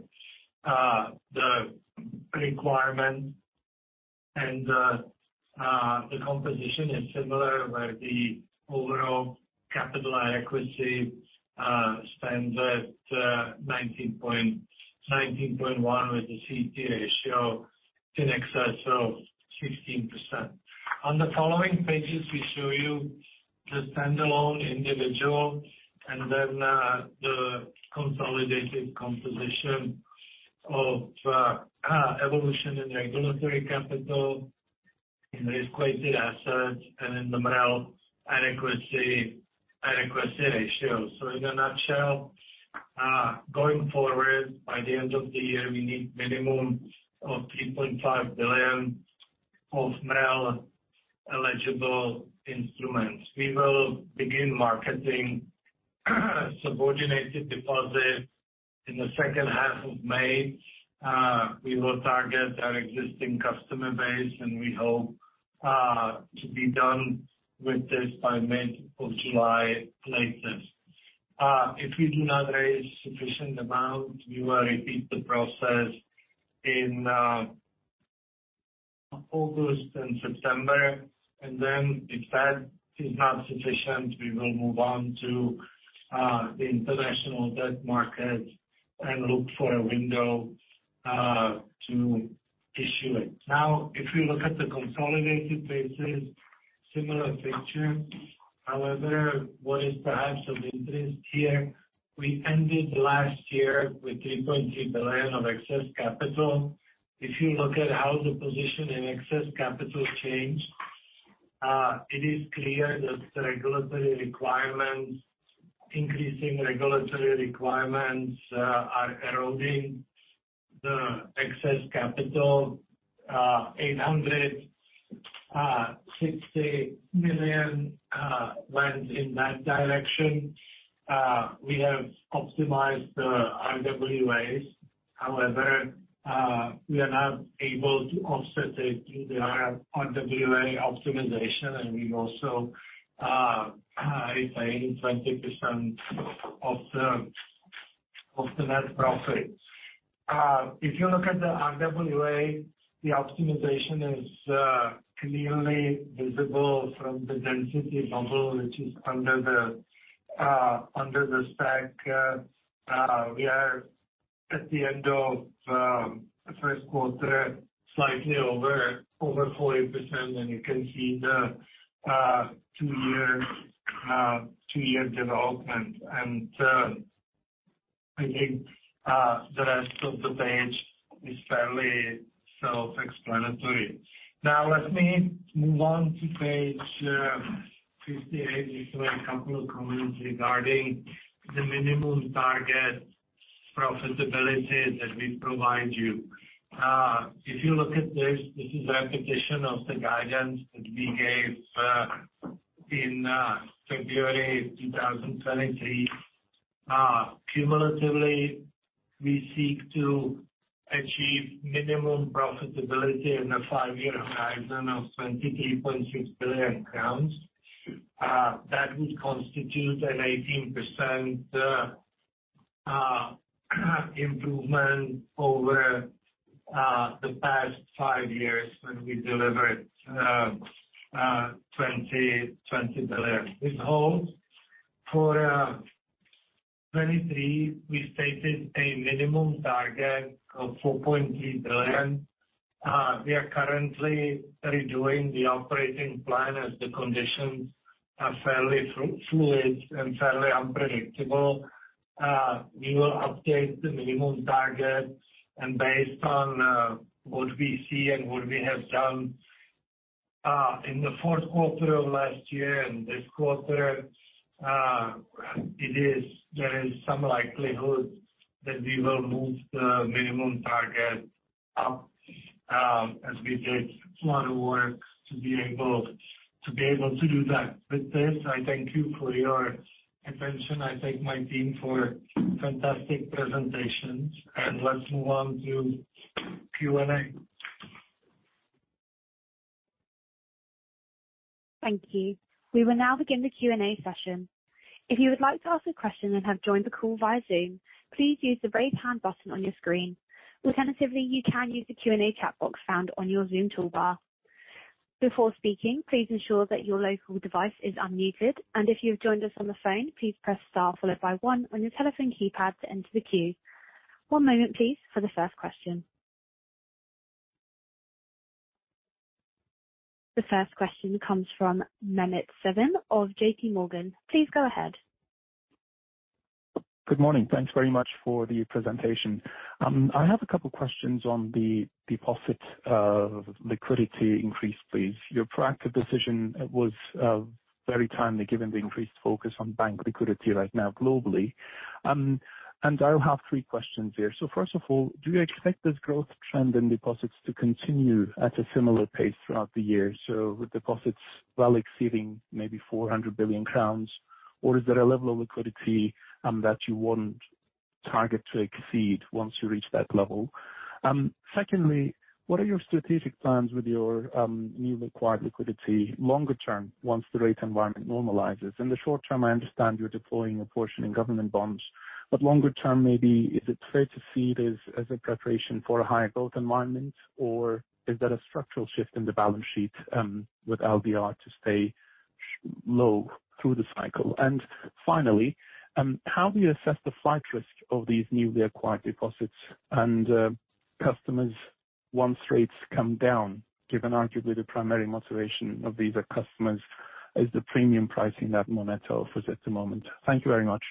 the requirement. The composition is similar, where the overall capital adequacy stands at 19.1%, with the CET ratio in excess of 15%. On the following pages, we show you the stand-alone individual and then the consolidated composition of evolution in regulatory capital, in risk-weighted assets, and in the MREL adequacy ratio. In a nutshell, going forward, by the end of the year, we need minimum of 3.5 billion of MREL eligible instruments. We will begin marketing subordinated deposits in the second half of May. We will target our existing customer base, and we hope to be done with this by mid-July latest. If we do not raise sufficient amount, we will repeat the process in August and September. If that is not sufficient, we will move on to the international debt market and look for a window to issue it. If we look at the consolidated basis, similar picture. However, what is perhaps of interest here, we ended last year with 3.3 billion of excess capital. If you look at how the position in excess capital changed, it is clear that the increasing regulatory requirements are eroding the excess capital. 860 million went in that direction. We have optimized the RWAs, however, we are now able to offset it through the RWA optimization, and we also retain 20% of the net profit. If you look at the RWA, the optimization is clearly visible from the density bubble, which is under the spec. We are at the end of the first quarter, slightly over 40%. You can see the 2-year development. I think the rest of the page is fairly self-explanatory. Now let me move on to page 58. Just a couple of comments regarding the minimum target profitability that we provide you. If you look at this is a repetition of the guidance that we gave in February 2023. Cumulatively, we seek to achieve minimum profitability in a 5-year horizon of 23.6 billion crowns. That would constitute an 18% improvement over the past 5 years when we delivered 20 billion. This holds. For 2023, we stated a minimum target of 4.3 billion. We are currently redoing the operating plan as the conditions are fairly fluid and fairly unpredictable. We will update the minimum target. Based on what we see and what we have done in the fourth quarter of last year and this quarter, there is some likelihood that we will move the minimum target up, as we did a lot of work to be able to do that. With this, I thank you for your attention. I thank my team for fantastic presentations. Let's move on to Q&A. Thank you. We will now begin the Q&A session. If you would like to ask a question and have joined the call via Zoom, please use the Raise Hand button on your screen. Alternatively, you can use the Q&A chat box found on your Zoom toolbar. Before speaking, please ensure that your local device is unmuted, and if you have joined us on the phone, please press Star followed by one on your telephone keypad to enter the queue. One moment please for the first question. The first question comes from Mehmet Sevim of J.P. Morgan. Please go ahead. Good morning. Thanks very much for the presentation. I have a couple questions on the deposit liquidity increase, please. Your proactive decision was very timely given the increased focus on bank liquidity right now globally. I'll have three questions here. First of all, do you expect this growth trend in deposits to continue at a similar pace throughout the year, so with deposits well exceeding maybe 400 billion crowns, or is there a level of liquidity that you won't target to exceed once you reach that level? Secondly, what are your strategic plans with your new acquired liquidity longer term, once the rate environment normalizes? In the short term, I understand you're deploying a portion in government bonds. Longer term, maybe is it fair to see it as a preparation for a higher growth environment, or is that a structural shift in the balance sheet, with LDR to stay low through the cycle? Finally, how do you assess the flight risk of these newly acquired deposits and customers once rates come down, given arguably the primary motivation of these customers is the premium pricing that Moneta offers at the moment? Thank you very much.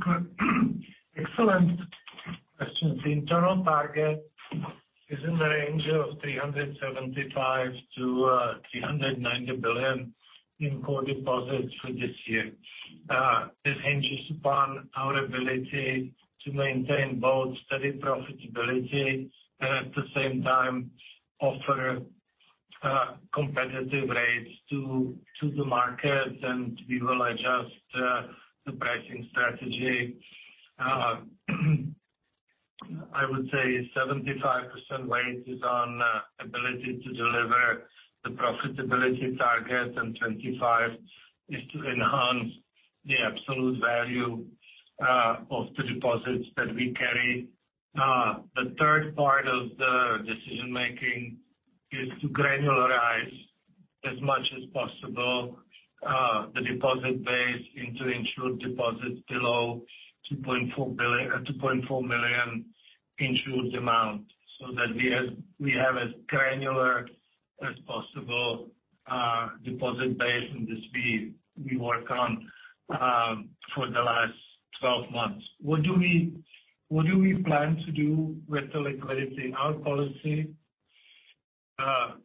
Good. Excellent questions. The internal target is in the range of 375 billion-390 billion in core deposits for this year. This hinges upon our ability to maintain both steady profitability and at the same time offer competitive rates to the market, and we will adjust the pricing strategy. I would say 75% weight is on ability to deliver the profitability target, and 25% is to enhance the absolute value of the deposits that we carry. The third part of the decision-making is to granularize as much as possible the deposit base into insured deposits below 2.4 million insured amount, so that we have as granular as possible deposit base, and this we work on for the last 12 months. What do we plan to do with the liquidity? Our policy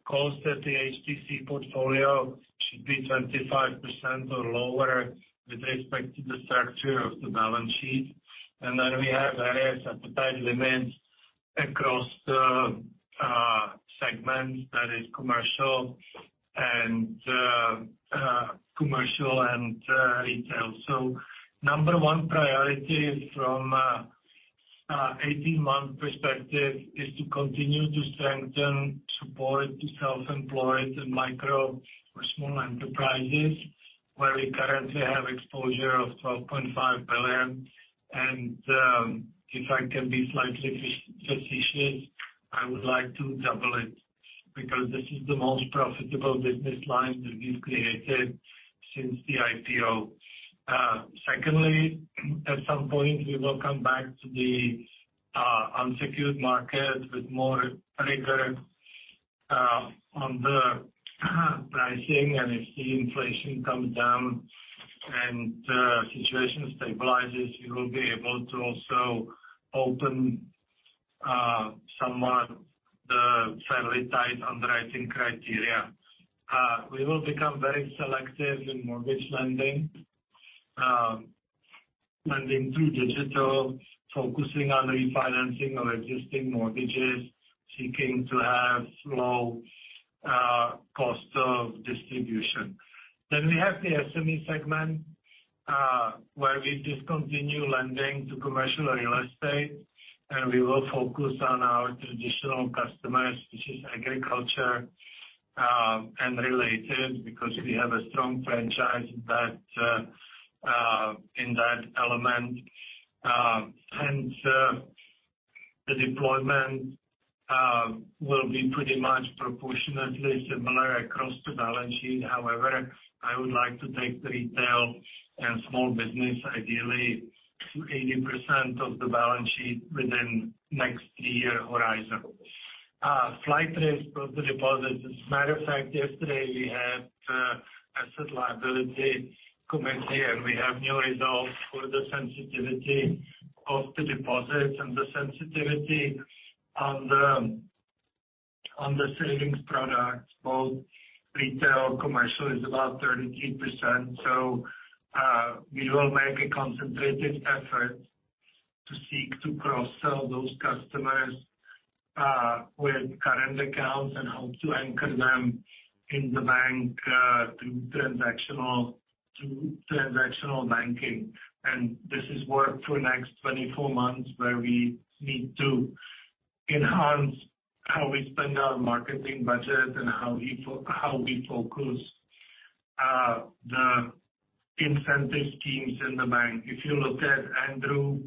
calls that the HTC portfolio should be 25% or lower with respect to the structure of the balance sheet. We have various appetite limits across the segments, that is commercial and retail. Number one priority from a 18-month perspective is to continue to strengthen support to self-employed and micro or small enterprises, where we currently have exposure of 12.5 billion. If I can be slightly prescient, I would like to double it because this is the most profitable business line that we've created since the IPO. Secondly, at some point, we will come back to the unsecured market with more rigor on the pricing. If the inflation comes down and situation stabilizes, we will be able to also open somewhat the fairly tight underwriting criteria. We will become very selective in mortgage lending through digital, focusing on refinancing of existing mortgages, seeking to have low cost of distribution. We have the SME segment, where we discontinue lending to commercial real estate, and we will focus on our traditional customers, which is agriculture and related, because we have a strong franchise that in that element. The deployment will be pretty much proportionately similar across the balance sheet. However, I would like to take retail and small business, ideally to 80% of the balance sheet within next 3-year horizon. Slight risk of the deposits. As a matter of fact, yesterday we had asset liability committee. We have new results for the sensitivity of the deposits and the sensitivity on the savings products, both retail, commercial, is about 33%. We will make a concentrated effort to seek to cross-sell those customers with current accounts and hope to anchor them in the bank through transactional banking. This is work for next 24 months, where we need to enhance how we spend our marketing budget and how we focus the incentive schemes in the bank. If you look at Andrew,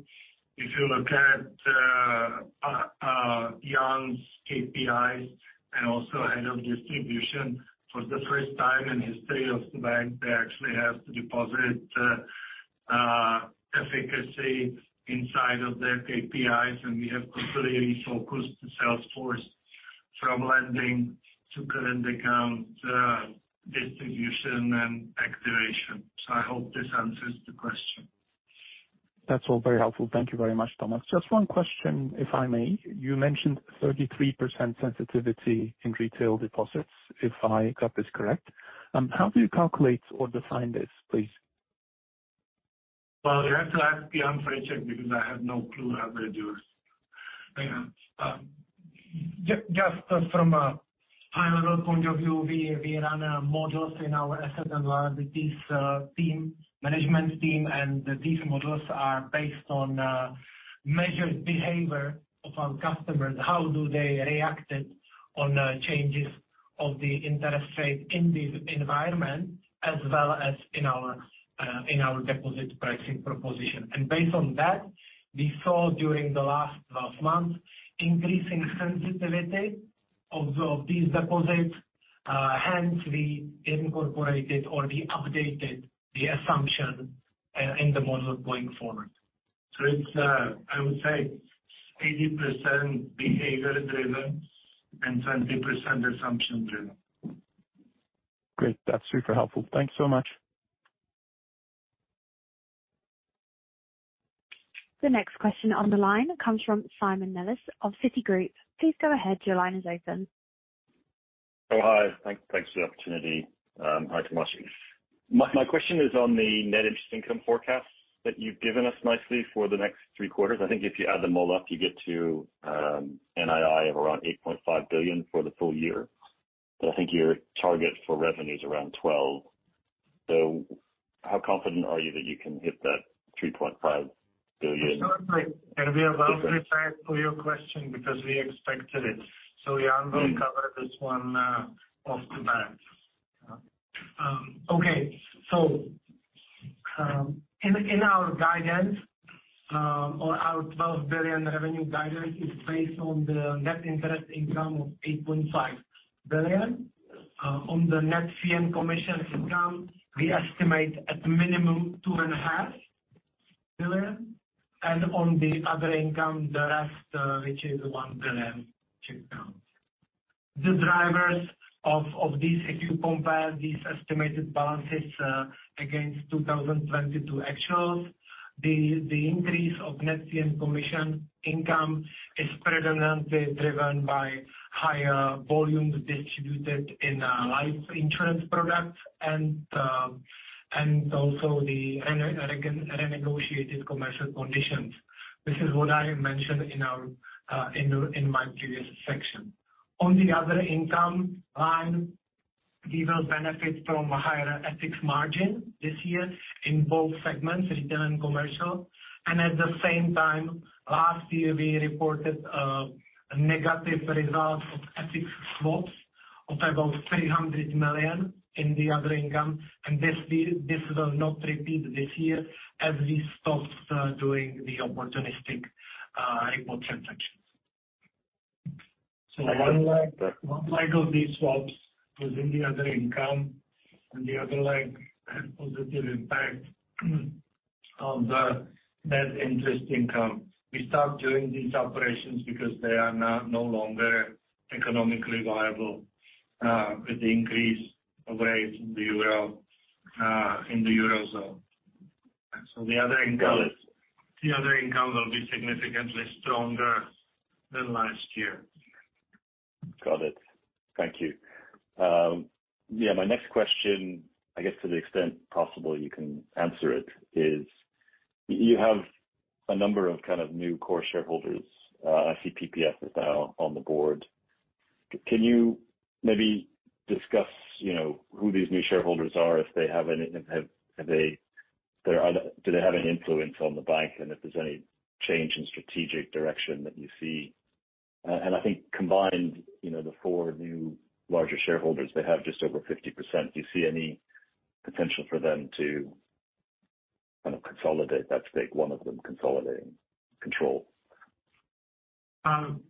if you look at Jan's KPIs and also head of distribution, for the first time in history of the bank, they actually have deposit efficacy inside of their KPIs, and we have completely focused the sales force from lending to current account distribution and activation. I hope this answers the question. That's all very helpful. Thank you very much, Thomas. Just one question, if I may. You mentioned 33% sensitivity in retail deposits, if I got this correct. How do you calculate or define this, please? Well, you have to ask Jan for a check, because I have no clue how they do it. Hang on. Just from a high level point of view, we run models in our asset and liabilities team, management team, and these models are based on measured behavior of our customers, how do they reacted on changes of the interest rate in this environment, as well as in our in our deposit pricing proposition. Based on that, we saw during the last 12 months, increasing sensitivity of these deposits. Hence we incorporated or we updated the assumption in the model going forward. It's, I would say 80% behavior driven and 20% assumption driven. Great. That's super helpful. Thank you so much. The next question on the line comes from Simon Nellis of Citigroup. Please go ahead, your line is open. Hi. Thanks for the opportunity. Hi, Thomas. My question is on the net interest income forecast that you've given us nicely for the next three quarters. I think if you add them all up, you get to NII of around 8.5 billion for the full year. I think your target for revenue is around 12 billion. How confident are you that you can hit that 3.5 billion? Sorry, Simon. We are well prepared for your question because we expected it. Jan Novotný will cover this one off the bat. In our guidance, or our 12 billion revenue guidance is based on the net interest income of 8.5 billion. On the net fee and commission income, we estimate at minimum two and a half billion. On the other income, the rest, which is 1 billion, check it out. The drivers of this, if you compare these estimated balances against 2022 actuals, the increase of net fee and commission income is predominantly driven by higher volumes distributed in life insurance products and also the renegotiated commercial conditions. This is what I mentioned in our in my previous section. On the other income line, we will benefit from a higher ethics margin this year in both segments, retail and commercial. At the same time, last year we reported, a negative result of interest rate swaps of about 300 million in the other income. This year, this will not repeat this year, as we stopped, doing the opportunistic, import transactions. One leg of these swaps was in the other income, and the other leg had positive impact on the net interest income. We stopped doing these operations because they are now no longer economically viable, with the increase of rates in the Euro, in the Eurozone. The other income will be significantly stronger than last year. Got it. Thank you. Yeah, my next question, I guess to the extent possible you can answer it, is you have a number of kind of new core shareholders. I see PPF is now on the board. Can you maybe discuss, you know, who these new shareholders are, if they have any influence on the bank, and if there's any change in strategic direction that you see? I think combined, you know, the four new larger shareholders, they have just over 50%. Do you see any potential for them to kind of consolidate that stake, one of them consolidating control?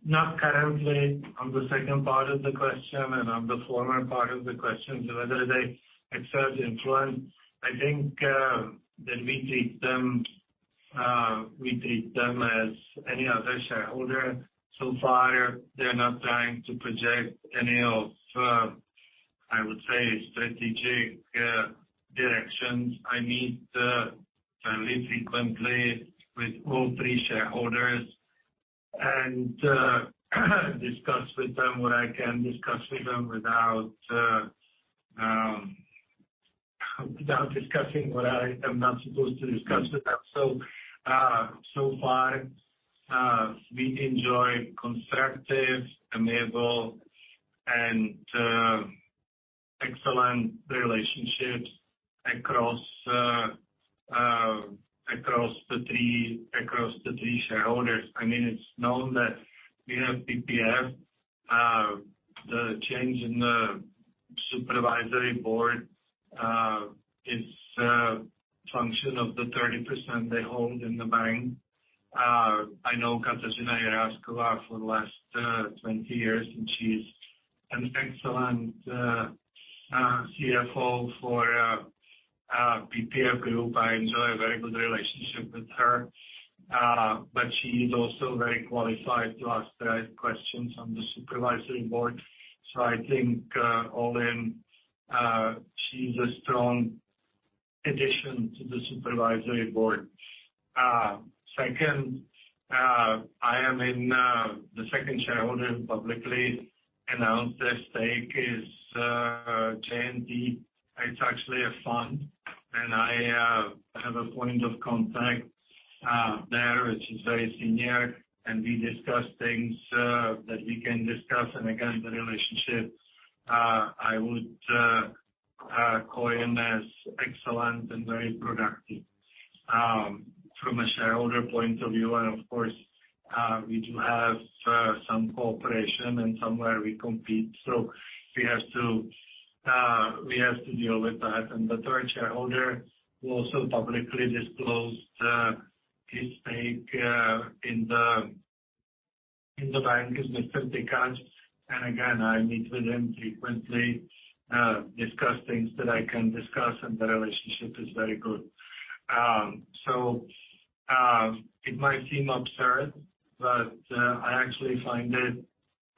Not currently on the second part of the question and on the former part of the question. Whether they exert influence, I think that we treat them, we treat them as any other shareholder. So far they're not trying to project any of I would say strategic directions. I meet fairly frequently with all three shareholders and discuss with them what I can discuss with them without discussing what I am not supposed to discuss with them. So far, we enjoy constructive, amiable, and excellent relationships across the three shareholders. I mean, it's known that we have PPF. The change in the supervisory board is a function of the 30% they hold in the bank. I know Kateřina Jirásková for the last 20 years, she's an excellent CFO for PPF Group. I enjoy a very good relationship with her. She is also very qualified to ask the right questions on the supervisory board. I think, all in, she's a strong addition to the supervisory board. Second, I am in, the second shareholder who publicly announced their stake is J&T. It's actually a fund, and I have a point of contact there, which is very senior, and we discuss things that we can discuss. Again, the relationship I would call in as excellent and very productive from a shareholder point of view. Of course, we do have some cooperation and somewhere we compete, so we have to deal with that. The third shareholder who also publicly disclosed his stake in the bank is Mr. Tykač. Again, I meet with him frequently, discuss things that I can discuss, and the relationship is very good. It might seem absurd, but I actually find it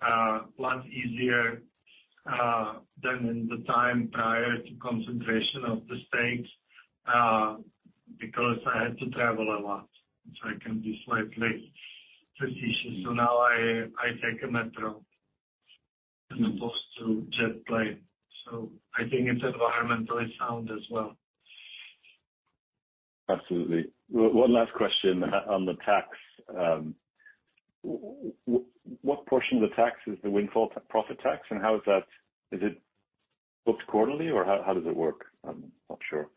a lot easier than in the time prior to concentration of the stakes, because I had to travel a lot, which I can be slightly facetious. Now I take a metro as opposed to jet plane, so I think it's environmentally sound as well. Absolutely. One last question on the tax. What portion of the tax is the windfall profit tax, and how is that? Is it booked quarterly, or how does it work? I'm not sure.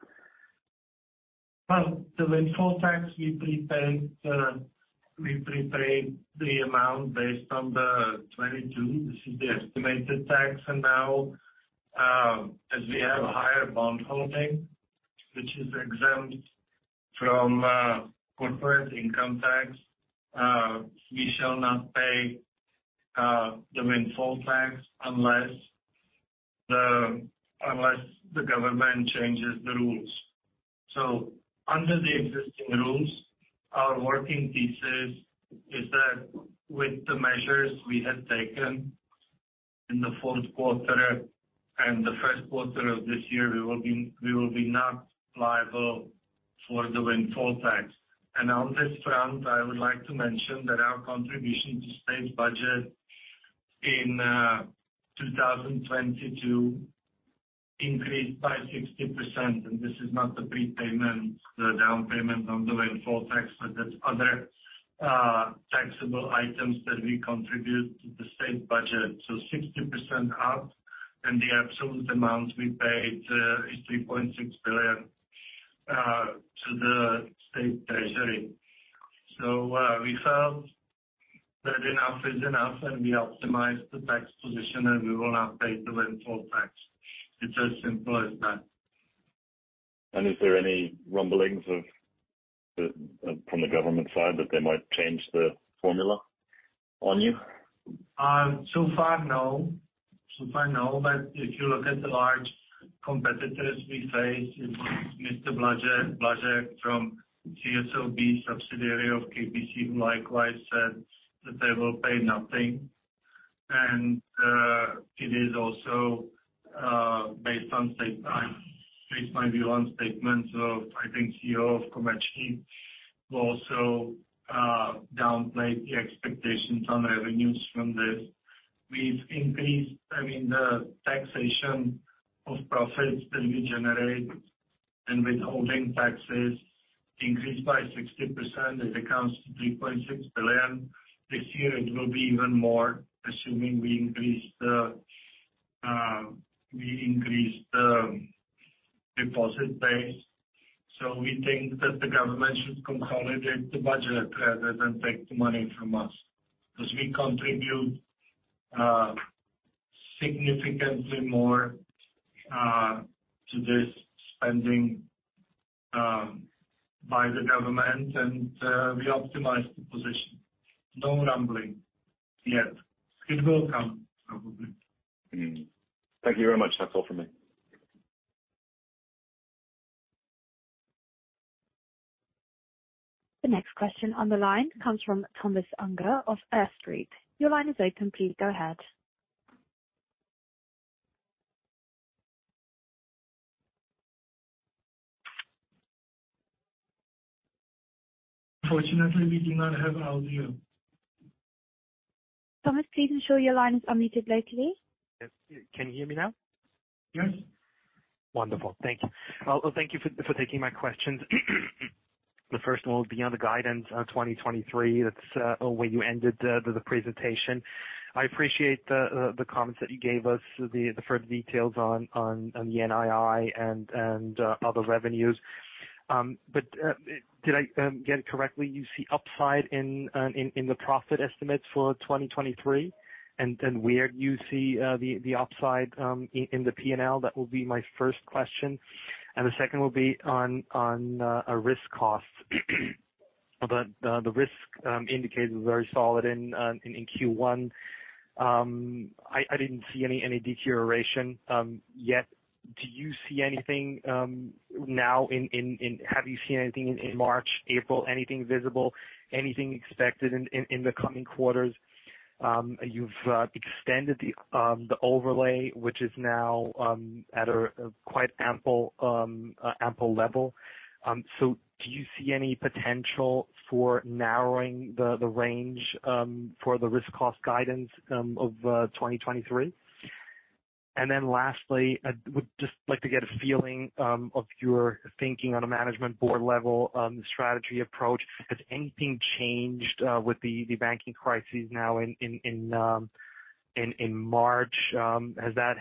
Well, the windfall tax, we prepay the amount based on 2022. This is the estimated tax. Now, as we have a higher bond holding which is exempt from corporate income tax, we shall not pay the windfall tax unless the government changes the rules. Under the existing rules, our working thesis is that with the measures we have taken in the fourth quarter and the first quarter of this year, we will be not liable for the windfall tax. On this front, I would like to mention that our contribution to state budget in 2022 increased by 60%. This is not the prepayment, the down payment on the windfall tax, but that's other taxable items that we contribute to the state budget. 60% up, and the absolute amount we paid is 3.6 billion to the state treasury. We felt that enough is enough, and we optimized the tax position, and we will not pay the windfall tax. It's as simple as that. Is there any rumblings of the from the government side that they might change the formula on you? So far, no. So far, no. If you look at the large competitors we face, Mr. Blažek from ČSOB, subsidiary of KBC, who likewise said that they will pay nothing. It is also based on safe time, based on view on statements of, I think, CEO of Komercni who also downplayed the expectations on revenues from this. I mean, the taxation of profits that we generate and withholding taxes increased by 60%. It accounts to 3.6 billion. This year it will be even more, assuming we increase the deposit base. We think that the government should consolidate the budget rather than take the money from us, because we contribute significantly more to this spending by the government, and we optimize the position. No rumbling yet. It will come, probably. Mm-hmm. Thank you very much. That's all for me. The next question on the line comes from Thomas Unger of Erste Group. Your line is open. Please go ahead. Unfortunately, we do not have audio. Thomas, please ensure your line is unmuted locally. Yes. Can you hear me now? Yes. Wonderful. Thank you. Thank you for taking my questions. The first one will be on the guidance on 2023. That's where you ended the presentation. I appreciate the comments that you gave us, the further details on the NII and other revenues. But did I get it correctly, you see upside in the profit estimates for 2023? Where you see the upside in the P&L? That will be my first question. The second will be on a risk cost. The risk indicator was very solid in Q1. I didn't see any deterioration yet. Do you see anything now in March, April, anything visible? Anything expected in the coming quarters? You've extended the overlay, which is now at a quite ample level. Do you see any potential for narrowing the range for the risk cost guidance of 2023? Lastly, I would just like to get a feeling of your thinking on a management board level on the strategy approach. Has anything changed with the banking crisis now in March? Has that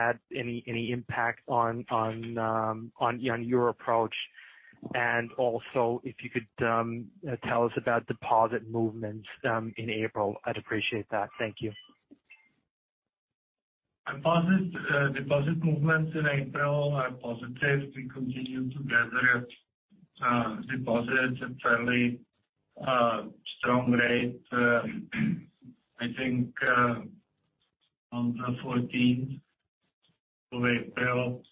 had any impact on your approach? Also if you could tell us about deposit movements in April, I'd appreciate that. Thank you. Deposit movements in April are positive. We continue to gather deposits at fairly strong rate. I think on the 14th of April,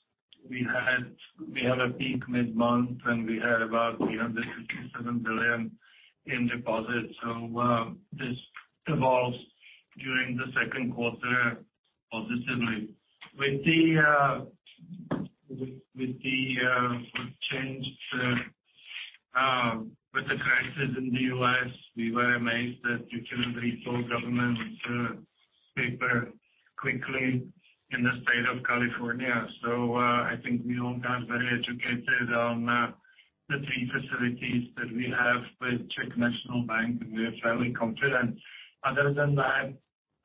we had a peak mid-month, we had about 357 billion in deposits. This evolves during the second quarter positively. With the change with the crisis in the U.S., we were amazed that you can resolve government paper quickly in the state of California. I think we all got very educated on the three facilities that we have with Czech National Bank, we are fairly confident. Other than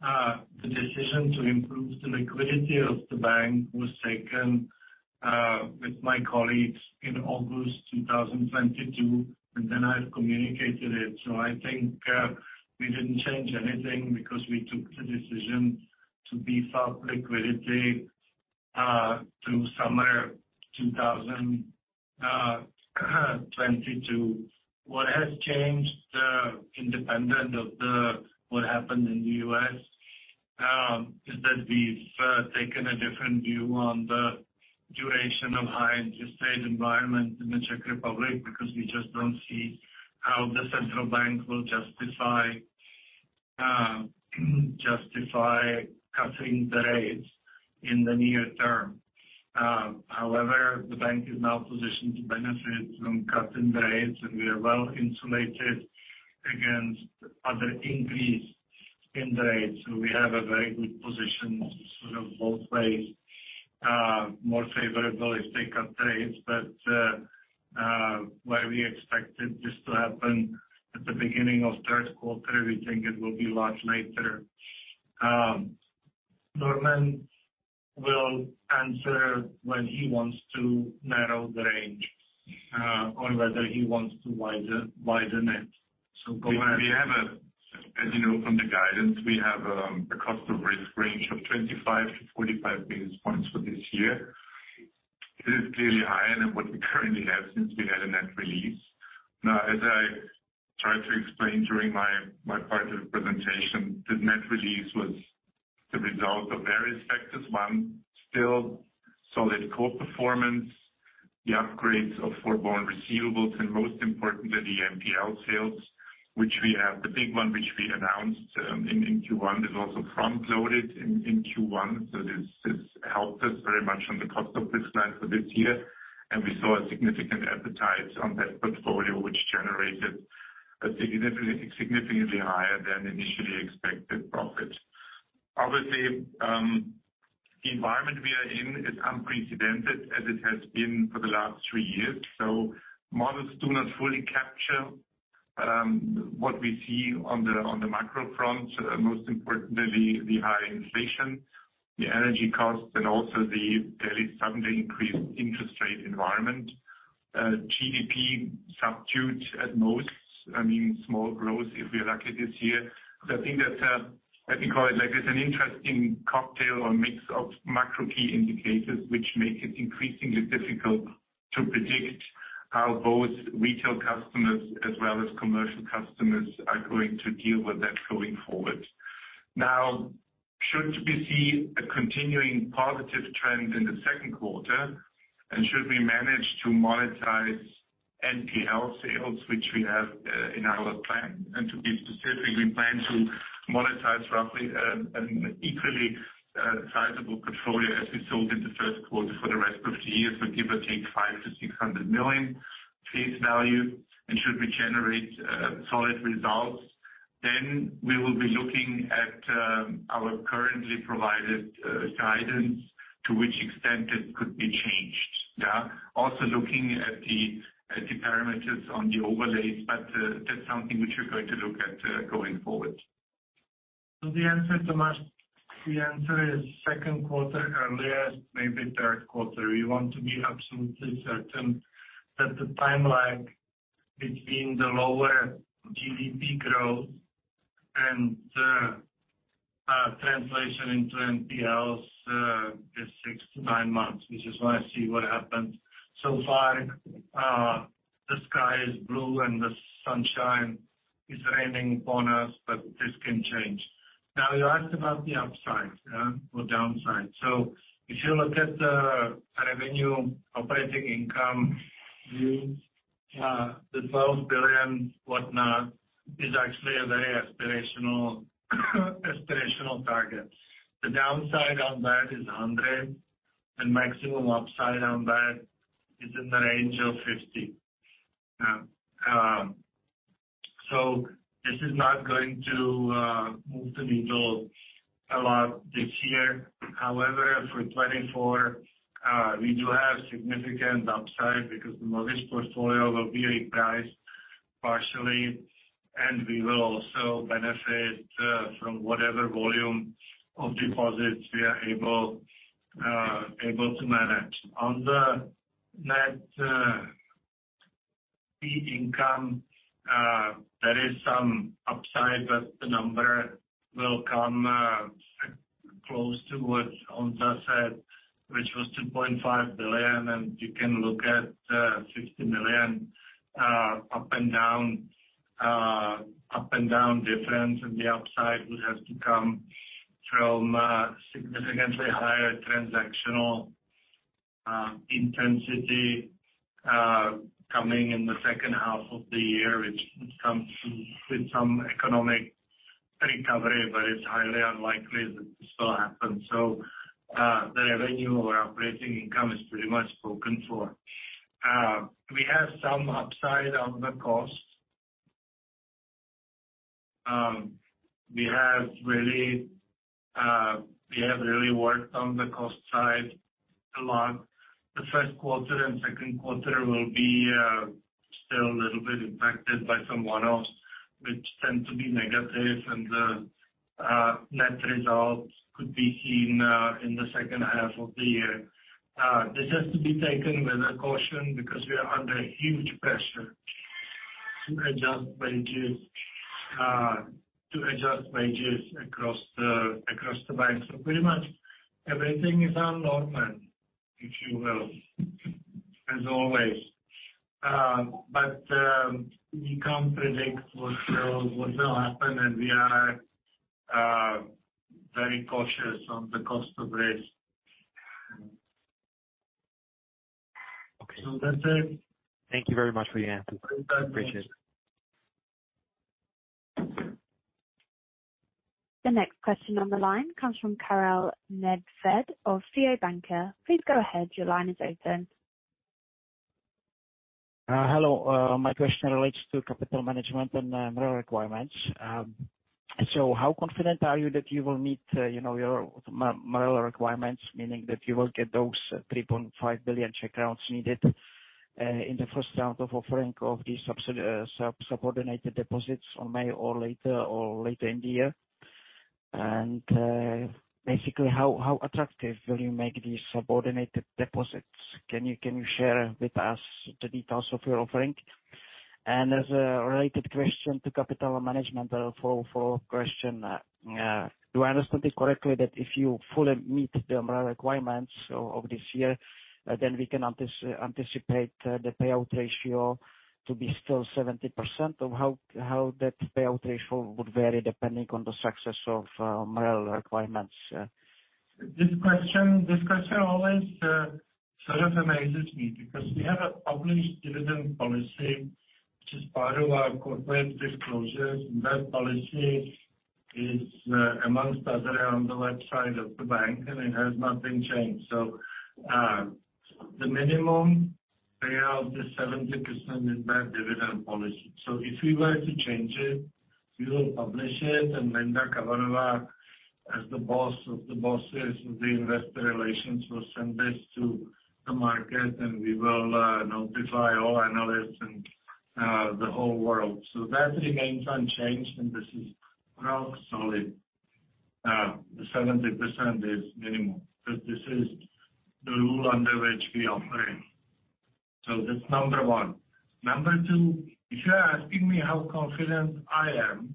that, the decision to improve the liquidity of the bank was taken with my colleagues in August 2022, I've communicated it. I think we didn't change anything because we took the decision to beef up liquidity through summer 2022. What has changed, independent of what happened in the US, is that we've taken a different view on the duration of high interest rate environment in the Czech Republic because we just don't see how the Czech National Bank will justify cutting the rates in the near term. However, the bank is now positioned to benefit from cutting the rates, and we are well insulated against other increase in the rates. We have a very good position, sort of both ways, more favorable if they cut rates. Where we expected this to happen at the beginning of third quarter, we think it will be a lot later. Norman will answer when he wants to narrow the range, or whether he wants to widen it. Go ahead. We have a, as you know from the guidance, we have a cost of risk range of 25 to 45 basis points for this year. It is clearly higher than what we currently have since we had a net release. As I tried to explain during my part of the presentation, the net release was the result of various factors. One, still solid core performance, the upgrades of forborne receivables, and most importantly, the NPL sales, which we have the big one, which we announced in Q1, is also front-loaded in Q1. This helped us very much on the cost of risk line for this year, and we saw a significant appetite on that portfolio, which generated a significantly higher than initially expected profit. Obviously, the environment we are in is unprecedented, as it has been for the last three years. Models do not fully capture what we see on the macro front, most importantly, the high inflation, the energy costs, and also the fairly sudden increase interest rate environment. GDP subdued at most, I mean small growth, if we are lucky this year. I think that, let me call it like it's an interesting cocktail or mix of macro key indicators, which make it increasingly difficult to predict how both retail customers as well as commercial customers are going to deal with that going forward. Should we see a continuing positive trend in the second quarter and should we manage to monetize NPL sales, which we have in our plan. To be specific, we plan to monetize roughly an equally sizable portfolio as we sold in the first quarter for the rest of the year. Give or take 500 million-600 million face value. Should we generate solid results, then we will be looking at our currently provided guidance to which extent it could be changed. Yeah. Also looking at the parameters on the overlays. That's something which we're going to look at going forward. The answer, Thomas, the answer is second quarter, earliest maybe third quarter. We want to be absolutely certain that the timeline between the lower GDP growth and the translation into NPLs is six to nine months, which is why I see what happens. Far, the sky is blue and the sunshine is raining upon us, but this can change. Now, you asked about the upside, yeah, or downside. If you look at the revenue operating income, the 12 billion whatnot is actually a very aspirational target. The downside on that is 100, and maximum upside on that is in the range of CZK 50. This is not going to move the needle a lot this year. For 2024, we do have significant upside because the mortgage portfolio will be repriced partially, and we will also benefit from whatever volume of deposits we are able to manage. On the net fee income, there is some upside, but the number will come close to what Honza said, which was 2.5 billion, and you can look at 50 million up and down difference. The upside would have to come from significantly higher transactional intensity coming in the second half of the year, which comes with some economic recovery, but it's highly unlikely that this will happen. The revenue or operating income is pretty much spoken for. We have some upside on the costs. We have really worked on the cost side a lot. The first quarter and second quarter will be still a little bit impacted by some one-offs, which tend to be negative. The net results could be seen in the second half of the year. This has to be taken with a caution because we are under huge pressure to adjust wages across the bank. Pretty much everything is on Norman, if you will, as always. We can't predict what will happen, and we are very cautious on the cost of risk. Okay. That's it. Thank you very much for your answers. Appreciate it. Thank you. The next question on the line comes from Karel Nedvěd of Fio banka. Please go ahead. Your line is open. Hello. My question relates to capital management and MREL requirements. How confident are you that you will meet, you know, your MREL requirements, meaning that you will get those 3.5 billion Czech crowns needed in the first round of offering of these subordinated deposits on May or later in the year? Basically, how attractive will you make these subordinated deposits? Can you share with us the details of your offering? As a related question to capital management, a follow-up question. Do I understand this correctly that if you fully meet the MREL requirements of this year, then we can anticipate the payout ratio to be still 70%? Or how that payout ratio would vary depending on the success of MREL requirements meeting? This question always, sort of amazes me because we have a published dividend policy which is part of our corporate disclosures. That policy is, amongst other on the website of the bank, and it has not been changed. The minimum payout is 70% in that dividend policy. If we were to change it, we will publish it. Linda Kabanova, as the boss of the bosses of the investor relations, will send this to the market, and we will notify all analysts and the whole world. That remains unchanged, and this is rock solid. 70% is minimum, because this is the rule under which we operate. That's number one. Number two, if you're asking me how confident I am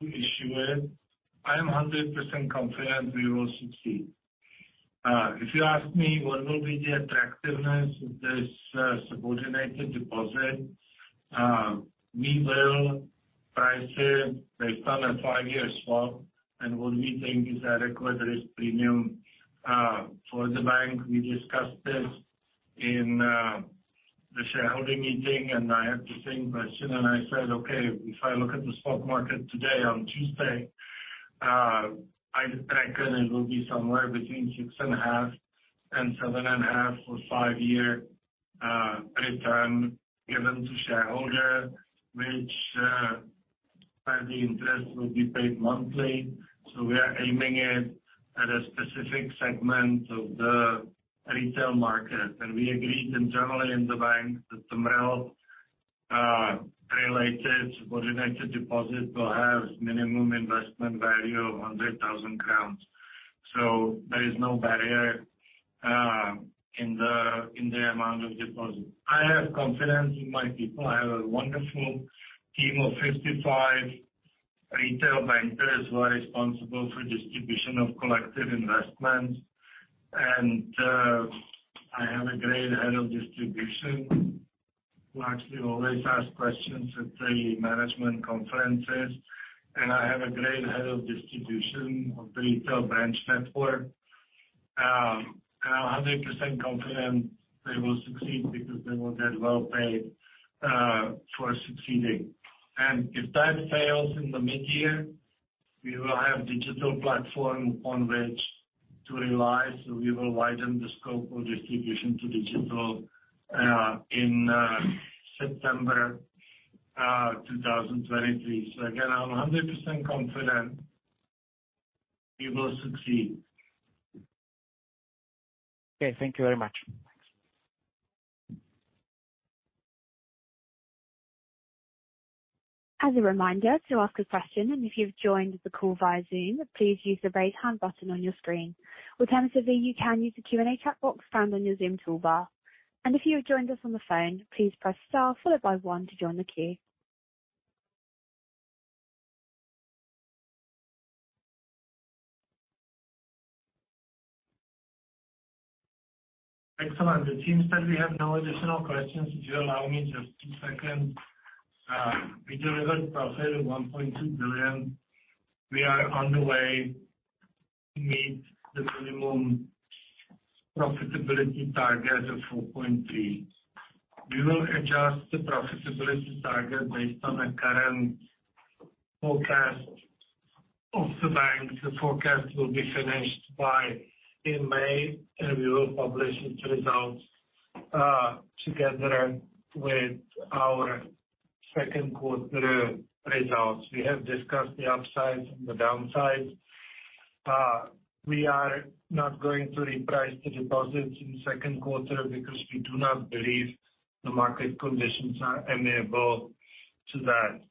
to issue it, I am 100% confident we will succeed. If you ask me what will be the attractiveness of this subordinated deposit, we will price it based on a 5-year swap. What we think is adequate risk premium for the bank. We discussed this in the shareholding meeting, and I have to think. Sheila and I said, okay, if I look at the swap market today on Tuesday, I reckon it will be somewhere between 6.5% and 7.5% for 5-year return given to shareholder, which by the interest, will be paid monthly. We are aiming it at a specific segment of the retail market. We agreed internally in the bank that the MREL related subordinated deposit will have minimum investment value of 100,000 crowns. There is no barrier in the amount of deposit. I have confidence in my people. I have a wonderful team of 55 retail bankers who are responsible for distribution of collective investments. I have a great head of distribution who actually always asks questions at the management conferences. I have a great head of distribution of retail branch network. I'm 100% confident they will succeed because they will get well paid for succeeding. If that fails in the mid-year, we will have digital platform on which to rely, so we will widen the scope of distribution to digital in September 2023. Again, I'm 100% confident we will succeed. Okay. Thank you very much. Thanks. As a reminder, to ask a question, and if you've joined the call via Zoom, please use the raise hand button on your screen. Alternatively, you can use the Q&A chat box found on your Zoom toolbar. If you have joined us on the phone, please press star followed by one to join the queue. Excellent. It seems that we have no additional questions. Would you allow me just two seconds? We delivered profit of CZK 1.2 billion. We are on the way to meet the minimum profitability target of 4.3%. We will adjust the profitability target based on the current forecast of the bank. The forecast will be finished by in May, and we will publish its results, together with our second quarter results. We have discussed the upside and the downside. We are not going to reprice the deposits in second quarter because we do not believe the market conditions are enable to that.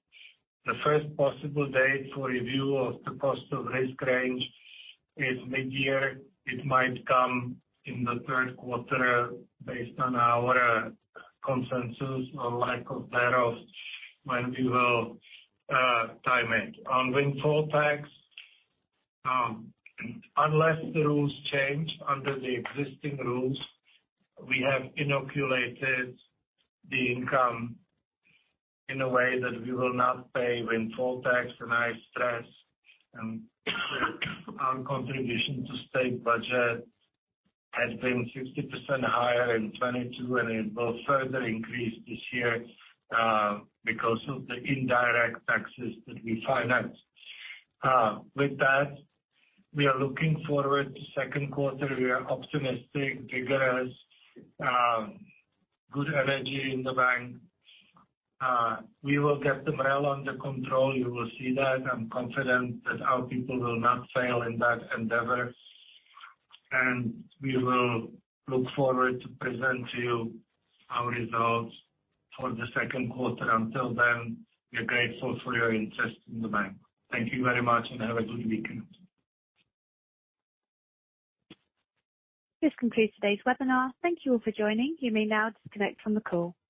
The first possible date for review of the cost of risk range is mid-year. It might come in the third quarter based on our consensus or lack of thereof, when we will time it. On windfall tax, unless the rules change, under the existing rules, we have inoculated the income in a way that we will not pay windfall tax. I stress, and our contribution to state budget has been 60% higher in 2022, and it will further increase this year, because of the indirect taxes that we finance. With that, we are looking forward to second quarter. We are optimistic, vigorous, good energy in the bank. We will get the MREL under control. You will see that. I'm confident that our people will not fail in that endeavor. We will look forward to present to you our results for the second quarter. Until then, we are grateful for your interest in the bank. Thank you very much, and have a good weekend. This concludes today's webinar. Thank you all for joining. You may now disconnect from the call. Goodbye.